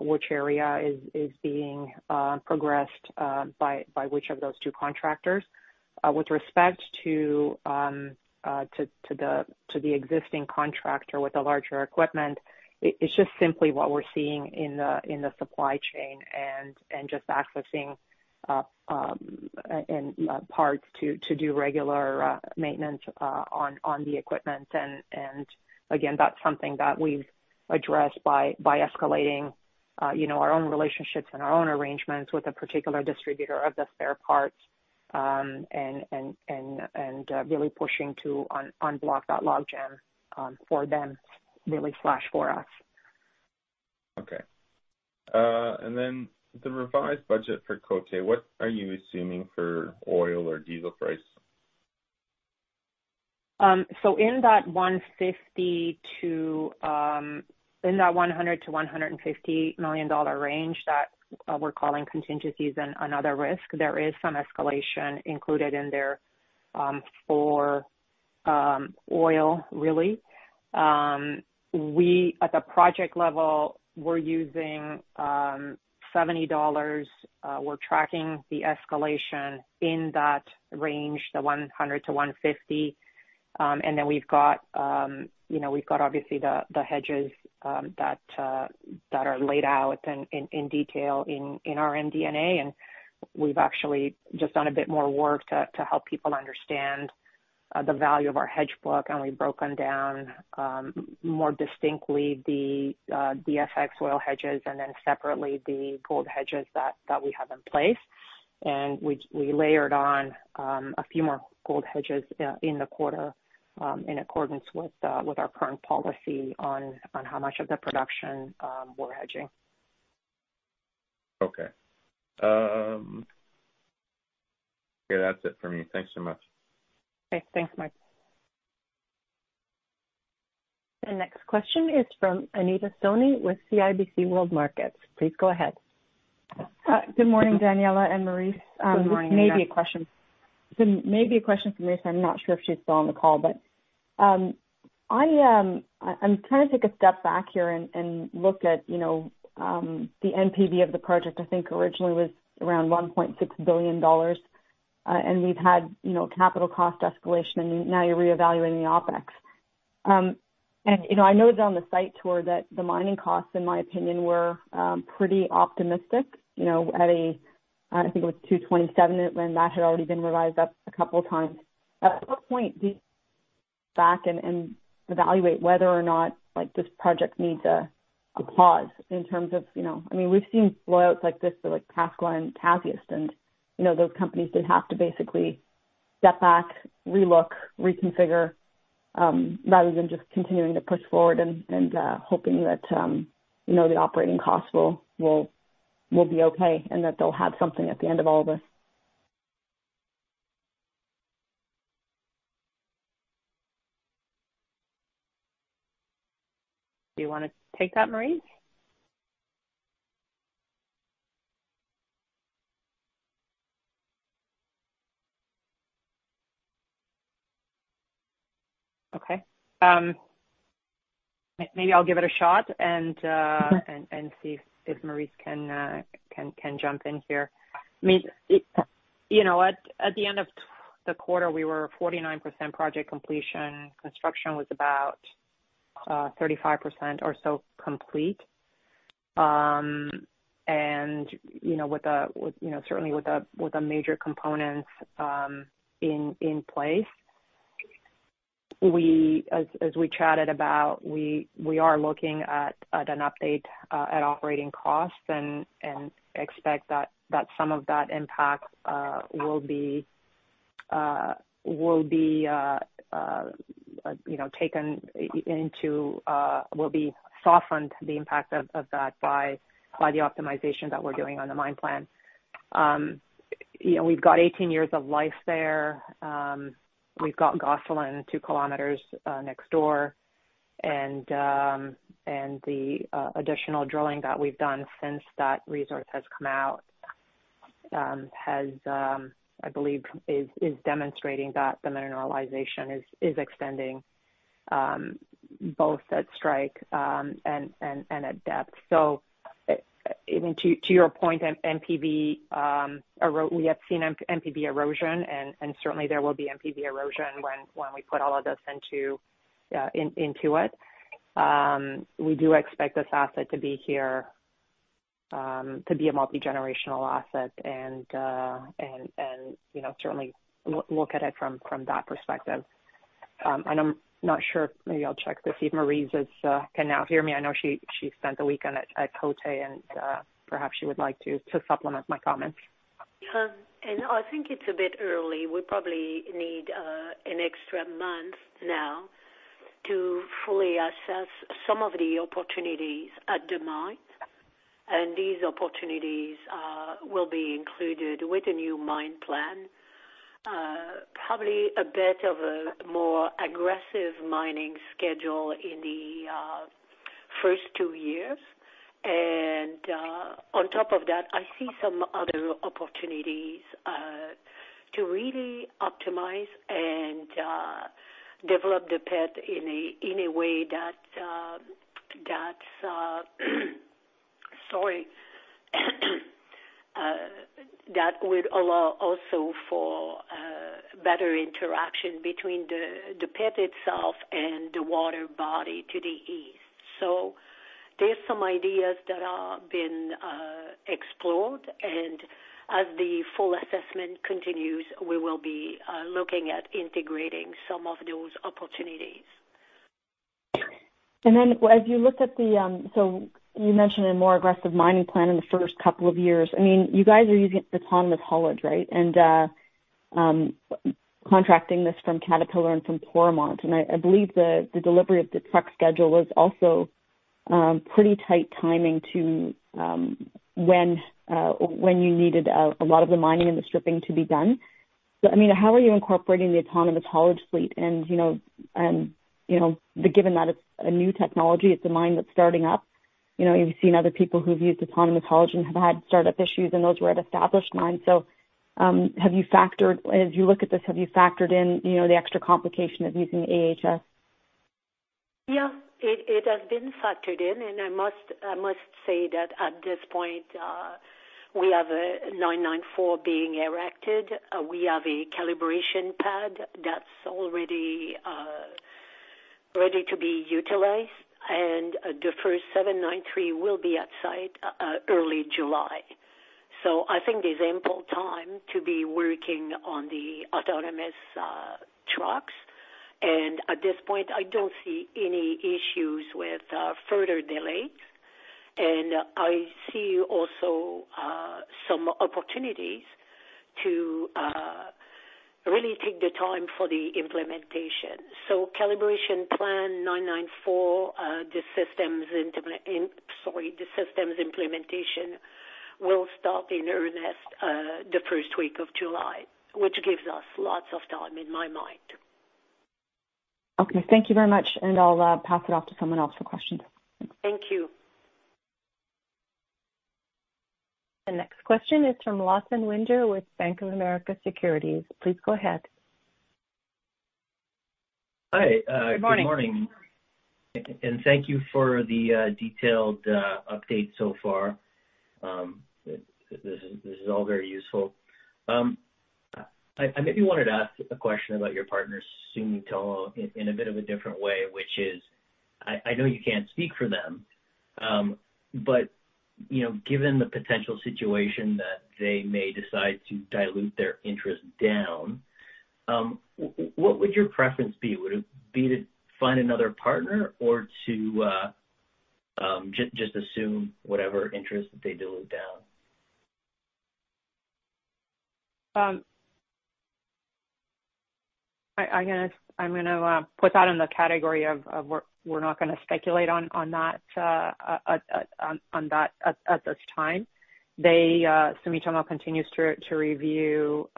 which area is being progressed by which of those two contractors. With respect to the existing contractor with the larger equipment, it's just simply what we're seeing in the supply chain and just accessing parts to do regular maintenance on the equipment. Again, that's something that we've addressed by escalating, you know, our own relationships and our own arrangements with a particular distributor of the spare parts, and really pushing to unblock that log jam for them, really especially for us. Okay. The revised budget for Côté, what are you assuming for oil or diesel price? In that $100 million-$150 million range that we're calling contingencies and another risk, there is some escalation included in there, for oil really. At the project level, we're using $70. We're tracking the escalation in that range, the $100 million-$150 million. Then we've got, you know, we've got obviously the hedges that are laid out in detail in our MD&A. We've actually just done a bit more work to help people understand the value of our hedge book. We've broken down more distinctly the FX oil hedges and then separately the gold hedges that we have in place. We layered on a few more gold hedges in the quarter in accordance with our current policy on how much of the production we're hedging. Okay. Okay, that's it for me. Thanks so much. Okay. Thanks, Mike. The next question is from Anita Soni with CIBC World Markets. Please go ahead. Good morning, Daniella and Maryse. Good morning, Anita. Maybe a question for Maryse. I'm not sure if she's still on the call. I'm trying to take a step back here and look at, you know, the NPV of the project. I think originally was around $1.6 billion, and we've had, you know, capital cost escalation, and now you're reevaluating the OpEx. I noticed on the site tour that the mining costs, in my opinion, were pretty optimistic, you know, at a, I think it was $227 million, and that had already been revised up a couple of times. At what point do you back and evaluate whether or not, like, this project needs a pause in terms of, you know—I mean, we've seen blowouts like this for, like, Pascua-Lama and Cerro Casale, and, you know, those companies, they'd have to basically step back, relook, reconfigure, rather than just continuing to push forward and hoping that, you know, the operating costs will be okay and that they'll have something at the end of all this. Do you wanna take that, Maryse? Okay. Maybe I'll give it a shot and— Okay. See if Maryse can jump in here. I mean, you know, at the end of the quarter, we were 49% project completion. Construction was about 35% or so complete. You know, with the major components in place. As we chatted about, we are looking at an update at operating costs and expect that some of that impact will be softened the impact of that by the optimization that we're doing on the mine plan. You know, we've got 18 years of life there. We've got Gosselin 2 km next door. The additional drilling that we've done since that resource has come out has, I believe, is demonstrating that the mineralization is extending both at strike and at depth. Even to your point, NPV, we have seen NPV erosion, and certainly there will be NPV erosion when we put all of this into it. We do expect this asset to be here to be a multigenerational asset and you know certainly look at it from that perspective. I'm not sure. Maybe I'll check to see if Maryse can now hear me. I know she spent the weekend at Côté and perhaps she would like to supplement my comments. I think it's a bit early. We probably need an extra month now to fully assess some of the opportunities at the mine. These opportunities will be included with a new mine plan. Probably a bit of a more aggressive mining schedule in the first two years. On top of that, I see some other opportunities to really optimize and develop the pit in a way that would allow also for better interaction between the pit itself and the water body to the east. There's some ideas that are being explored. As the full assessment continues, we will be looking at integrating some of those opportunities. You mentioned a more aggressive mining plan in the first couple of years. I mean, you guys are using autonomous haulage, right? Contracting this from Caterpillar and from Toromont. I believe the delivery of the truck schedule was also pretty tight timing to when you needed a lot of the mining and the stripping to be done. I mean, how are you incorporating the autonomous haulage fleet? You know, given that it's a new technology, it's a mine that's starting up. You know, you've seen other people who've used autonomous haulage and have had startup issues, and those were at established mines. As you look at this, have you factored in you know, the extra complication of using AHS? Yeah, it has been factored in and I must say that at this point, we have a 994 being erected. We have a calibration pad that's already ready to be utilized, and the first 793 will be at site early July. I think there's ample time to be working on the autonomous trucks. At this point, I don't see any issues with further delays. I see also some opportunities to really take the time for the implementation. Calibration plan 994, sorry, the systems implementation will start in earnest the first week of July, which gives us lots of time, in my mind. Okay. Thank you very much, and I'll pass it off to someone else for questions. Thank you. The next question is from Lawson Winder with Bank of America Securities. Please go ahead. Hi. Good morning. Good morning, and thank you for the detailed update so far. This is all very useful. I maybe wanted to ask a question about your partners, Sumitomo, in a bit of a different way, which is, I know you can't speak for them, but you know, given the potential situation that they may decide to dilute their interest down, what would your preference be? Would it be to find another partner or to just assume whatever interest that they dilute down? I'm gonna put that in the category of we're not gonna speculate on that at this time. Sumitomo continues to review,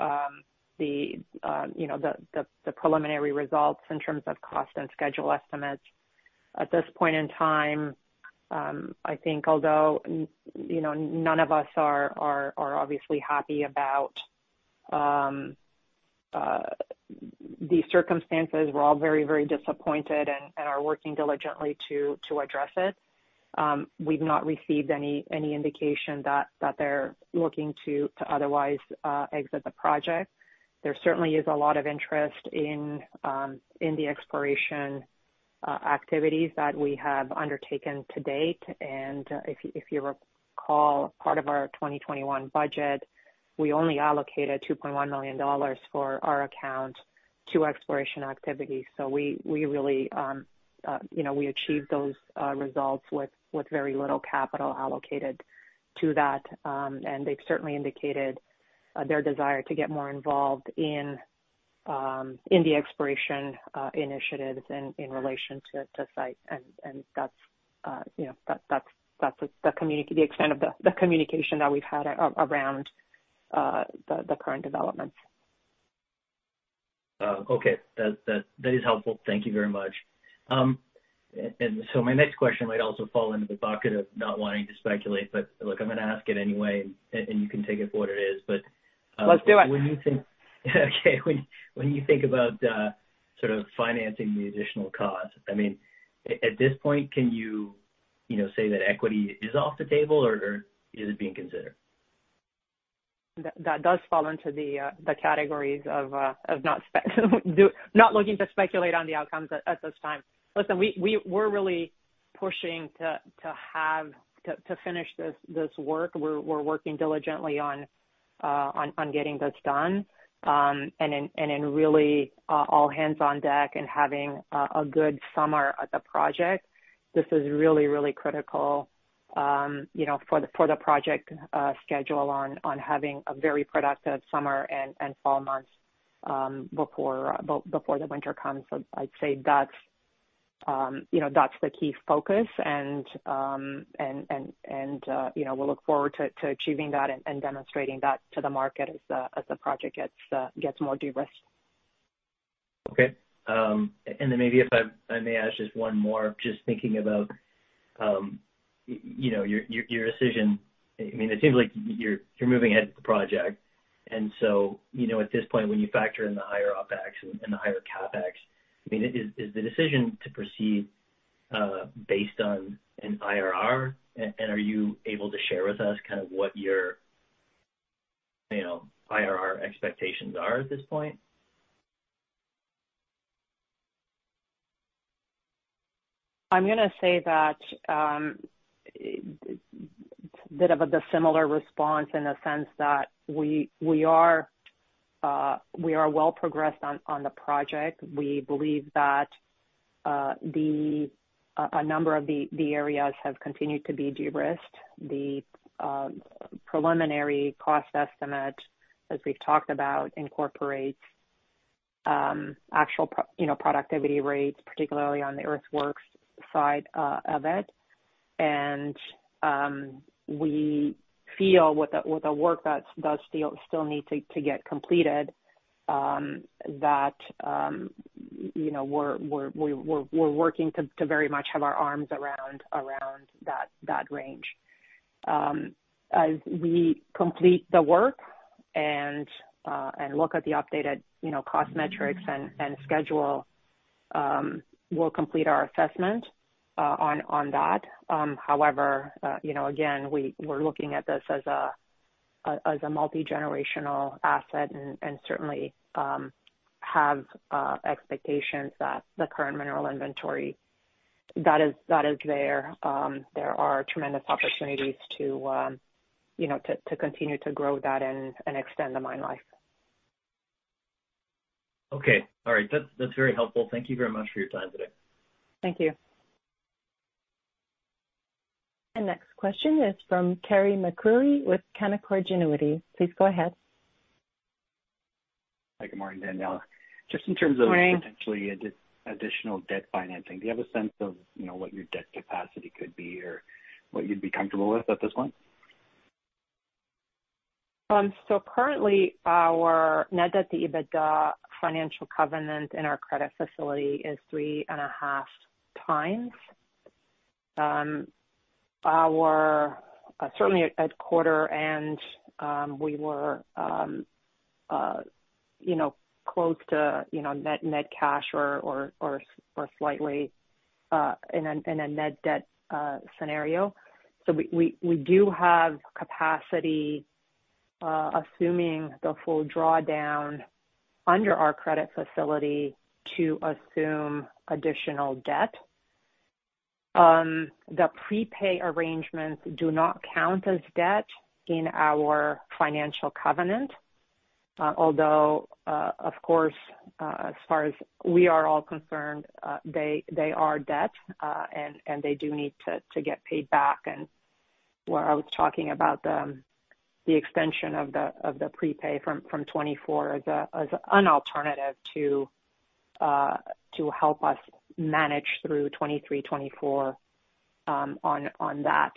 you know, the preliminary results in terms of cost and schedule estimates. At this point in time, I think although you know none of us are obviously happy about the circumstances, we're all very disappointed and are working diligently to address it. We've not received any indication that they're looking to otherwise exit the project. There certainly is a lot of interest in the exploration activities that we have undertaken to date. If you recall, part of our 2021 budget, we only allocated $2.1 million to exploration activities. We really, you know, we achieved those results with very little capital allocated to that. They've certainly indicated their desire to get more involved in the exploration initiatives in relation to site. That's, you know, the extent of the communication that we've had around the current developments. Okay. That is helpful. Thank you very much. So my next question might also fall into the bucket of not wanting to speculate, but look, I'm gonna ask it anyway and you can take it for what it is. Let's do it. When you think about sort of financing the additional cost, I mean, at this point, can you know, say that equity is off the table or is it being considered? That does fall into the categories of not looking to speculate on the outcomes at this time. Listen, we're really pushing to have to finish this work. We're working diligently on getting this done, and we're really all hands on deck and having a good summer at the project. This is really critical, you know, for the project schedule on having a very productive summer and fall months before the winter comes. I'd say that's the key focus, you know, we look forward to achieving that and demonstrating that to the market as the project gets more de-risked. Okay. Maybe if I may ask just one more, just thinking about you know, your decision. I mean, it seems like you're moving ahead with the project and so, you know, at this point, when you factor in the higher OpEx and the higher CapEx, I mean, is the decision to proceed based on an IRR, and are you able to share with us kind of what your you know, IRR expectations are at this point? I'm gonna say that bit of a dissimilar response in a sense that we are well progressed on the project. We believe that a number of the areas have continued to be de-risked. The preliminary cost estimate, as we've talked about, incorporates actual productivity rates, particularly on the earthworks side of it. We feel with the work that does still need to get completed that you know, we're working to very much have our arms around that range. As we complete the work and look at the updated you know, cost metrics and schedule, we'll complete our assessment on that. However, you know, again, we're looking at this as a multi-generational asset and certainly have expectations that the current mineral inventory that is there. There are tremendous opportunities to you know, to continue to grow that and extend the mine life. Okay. All right. That's very helpful. Thank you very much for your time today. Thank you. The next question is from Carey MacRury with Canaccord Genuity. Please go ahead. Hi. Good morning, Daniella. Morning. Just in terms of potentially additional debt financing, do you have a sense of, you know, what your debt capacity could be or what you'd be comfortable with at this point? Currently our net debt to EBITDA financial covenant in our credit facility is 3.5x. Certainly at quarter end, we were, you know, close to, you know, net cash or slightly in a net debt scenario. We do have capacity, assuming the full drawdown under our credit facility to assume additional debt. The prepay arrangements do not count as debt in our financial covenant. Although, of course, as far as we are all concerned, they are debt, and they do need to get paid back. Where I was talking about the extension of the prepay from 2024 as an alternative to help us manage through 2023, 2024, on that.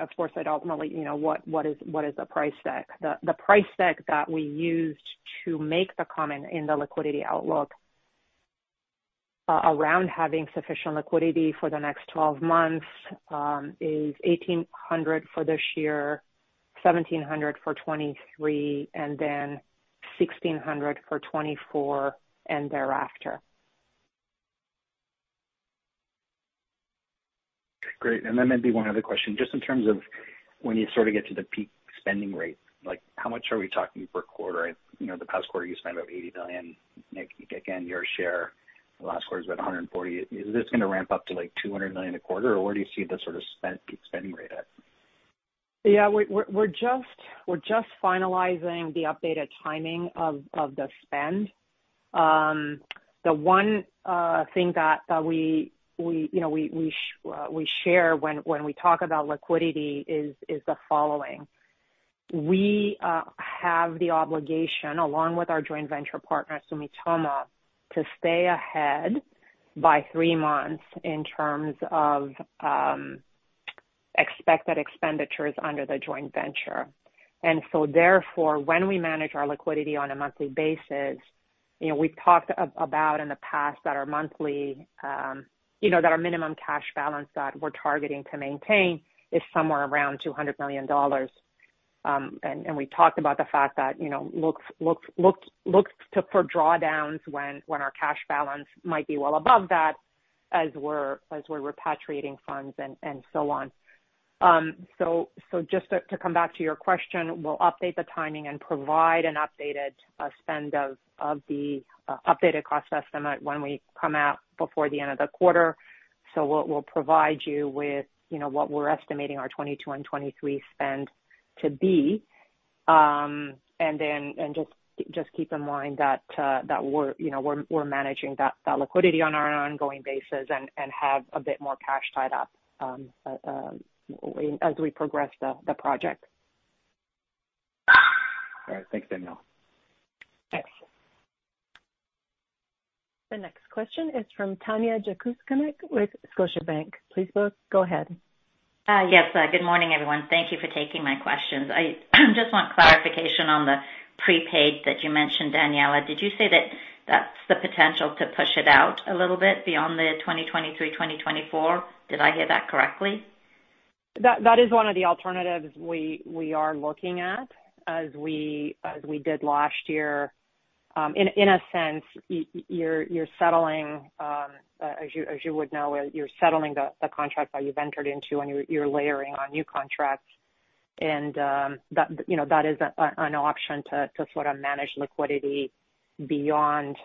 Of course, ultimately, you know, what is the price deck? The price deck that we used to make the comment in the liquidity outlook around having sufficient liquidity for the next 12 months is $1,800 for this year, $1,700 for 2023, and then $1,600 for 2024 and thereafter. Great. Maybe one other question. Just in terms of when you sort of get to the peak spending rate, like how much are we talking per quarter? You know, the past quarter you spent about $80 million. Again, your share the last quarter is about $140 million. Is this gonna ramp up to like $200 million a quarter, or where do you see the sort of spend, peak spending rate at? Yeah. We're just finalizing the updated timing of the spend. The one thing that we, you know, we share when we talk about liquidity is the following. We have the obligation, along with our joint venture partner, Sumitomo, to stay ahead by three months in terms of expected expenditures under the joint venture. When we manage our liquidity on a monthly basis, you know, we've talked about in the past that our monthly, you know, that our minimum cash balance that we're targeting to maintain is somewhere around $200 million. We talked about the fact that, you know, look for drawdowns when our cash balance might be well above that as we're repatriating funds and so on. Just to come back to your question, we'll update the timing and provide an updated spend of the updated cost estimate when we come out before the end of the quarter. We'll provide you with, you know, what we're estimating our 2022 and 2023 spend to be. Just keep in mind that we're, you know, we're managing that liquidity on an ongoing basis and have a bit more cash tied up as we progress the project. All right. Thanks, Daniella. Thanks. The next question is from Tanya Jakusconek with Scotiabank. Please go ahead. Good morning, everyone. Thank you for taking my questions. I just want clarification on the prepaid that you mentioned, Daniella. Did you say that that's the potential to push it out a little bit beyond the 2023, 2024? Did I hear that correctly? That is one of the alternatives we are looking at as we did last year. In a sense, as you would know, you're settling the contract that you've entered into and you're layering on new contracts. That, you know, that is an option to sort of manage liquidity beyond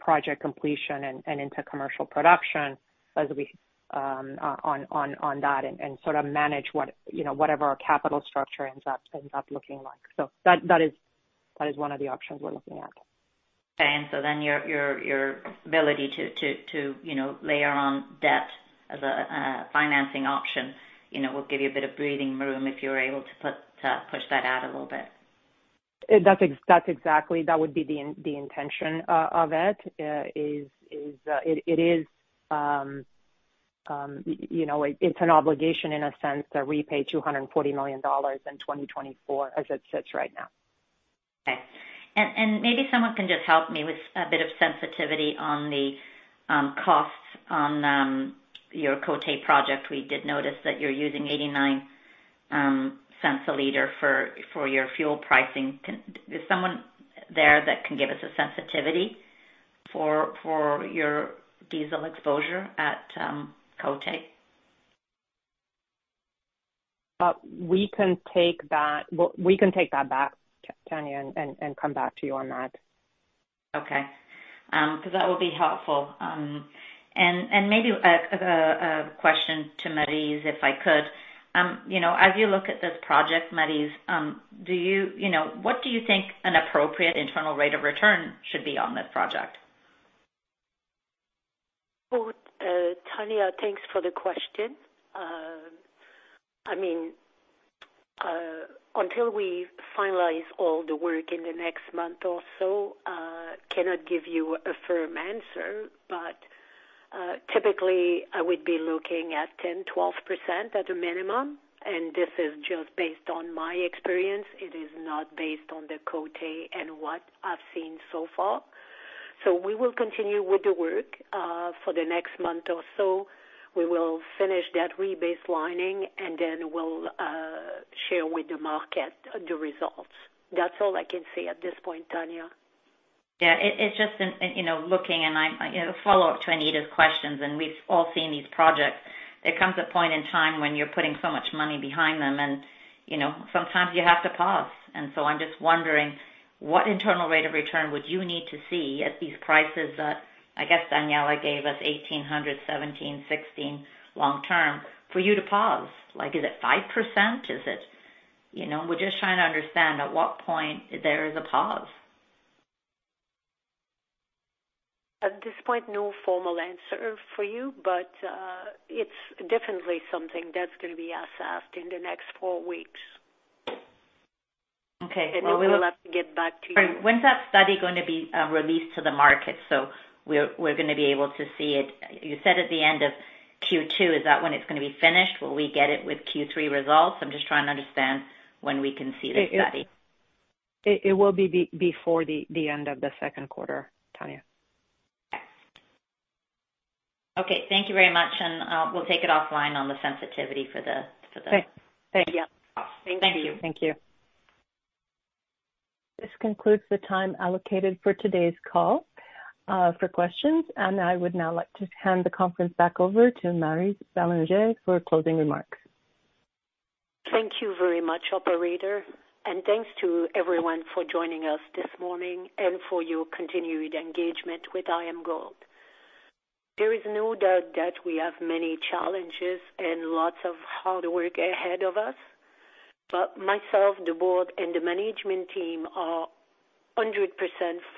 project completion and into commercial production as we go on that and sort of manage what, you know, whatever our capital structure ends up looking like. That is one of the options we're looking at. Okay. Your ability to, you know, layer on debt as a financing option, you know, will give you a bit of breathing room if you're able to push that out a little bit. That's exactly. That would be the intention of it. It is, you know, it's an obligation in a sense to repay $240 million in 2024 as it sits right now. Okay. Maybe someone can just help me with a bit of sensitivity on the costs on your Côté project. We did notice that you're using $0.89 a liter for your fuel pricing. Is someone there that can give us a sensitivity for your diesel exposure at Côté? We can take that. We can take that back, Tanya, and come back to you on that. Okay. Because that would be helpful. Maybe a question to Maryse, if I could. You know, as you look at this project, Maryse, do you know, what do you think an appropriate internal rate of return should be on this project? Well, Tanya, thanks for the question. I mean, until we finalize all the work in the next month or so, I cannot give you a firm answer, but typically, I would be looking at 10%-12% at a minimum, and this is just based on my experience. It is not based on the Côté and what I've seen so far. We will continue with the work for the next month or so. We will finish that rebaselining, and then we'll share with the market the results. That's all I can say at this point, Tanya. Yeah. It's just, you know, looking, you know, follow-up to Anita's questions, and we've all seen these projects. There comes a point in time when you're putting so much money behind them and, you know, sometimes you have to pause. I'm just wondering what internal rate of return would you need to see at these prices that I guess Daniella gave us $1,800, $1,700, $1,600 long-term for you to pause. Like, is it 5%? You know, we're just trying to understand at what point there is a pause. At this point, no formal answer for you, but it's definitely something that's gonna be assessed in the next four weeks. Okay. We'll have to get back to you. When's that study gonna be released to the market, so we're gonna be able to see it? You said at the end of Q2. Is that when it's gonna be finished? Will we get it with Q3 results? I'm just trying to understand when we can see the study. It will be before the end of the second quarter, Tanya. Okay. Thank you very much, and, we'll take it offline on the sensitivity for the— Thank you. Thank you. This concludes the time allocated for today's call, for questions, and I would now like to hand the conference back over to Maryse Bélanger for closing remarks. Thank you very much, operator. Thanks to everyone for joining us this morning and for your continued engagement with IAMGOLD. There is no doubt that we have many challenges and lots of hard work ahead of us. Myself, the Board, and the management team are 100%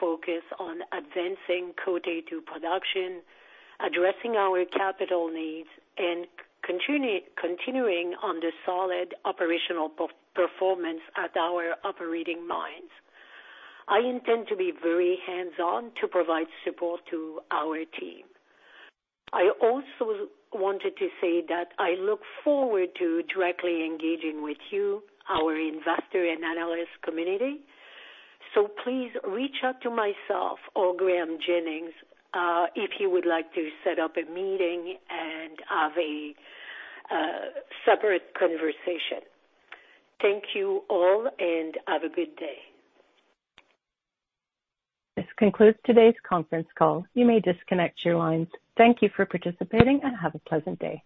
focused on advancing Côté to production, addressing our capital needs, and continuing on the solid operational performance at our operating mines. I intend to be very hands-on to provide support to our team. I also wanted to say that I look forward to directly engaging with you, our investor and analyst community. Please reach out to myself or Graeme Jennings if you would like to set up a meeting and have a separate conversation. Thank you all, and have a good day. This concludes today's conference call. You may disconnect your lines. Thank you for participating, and have a pleasant day.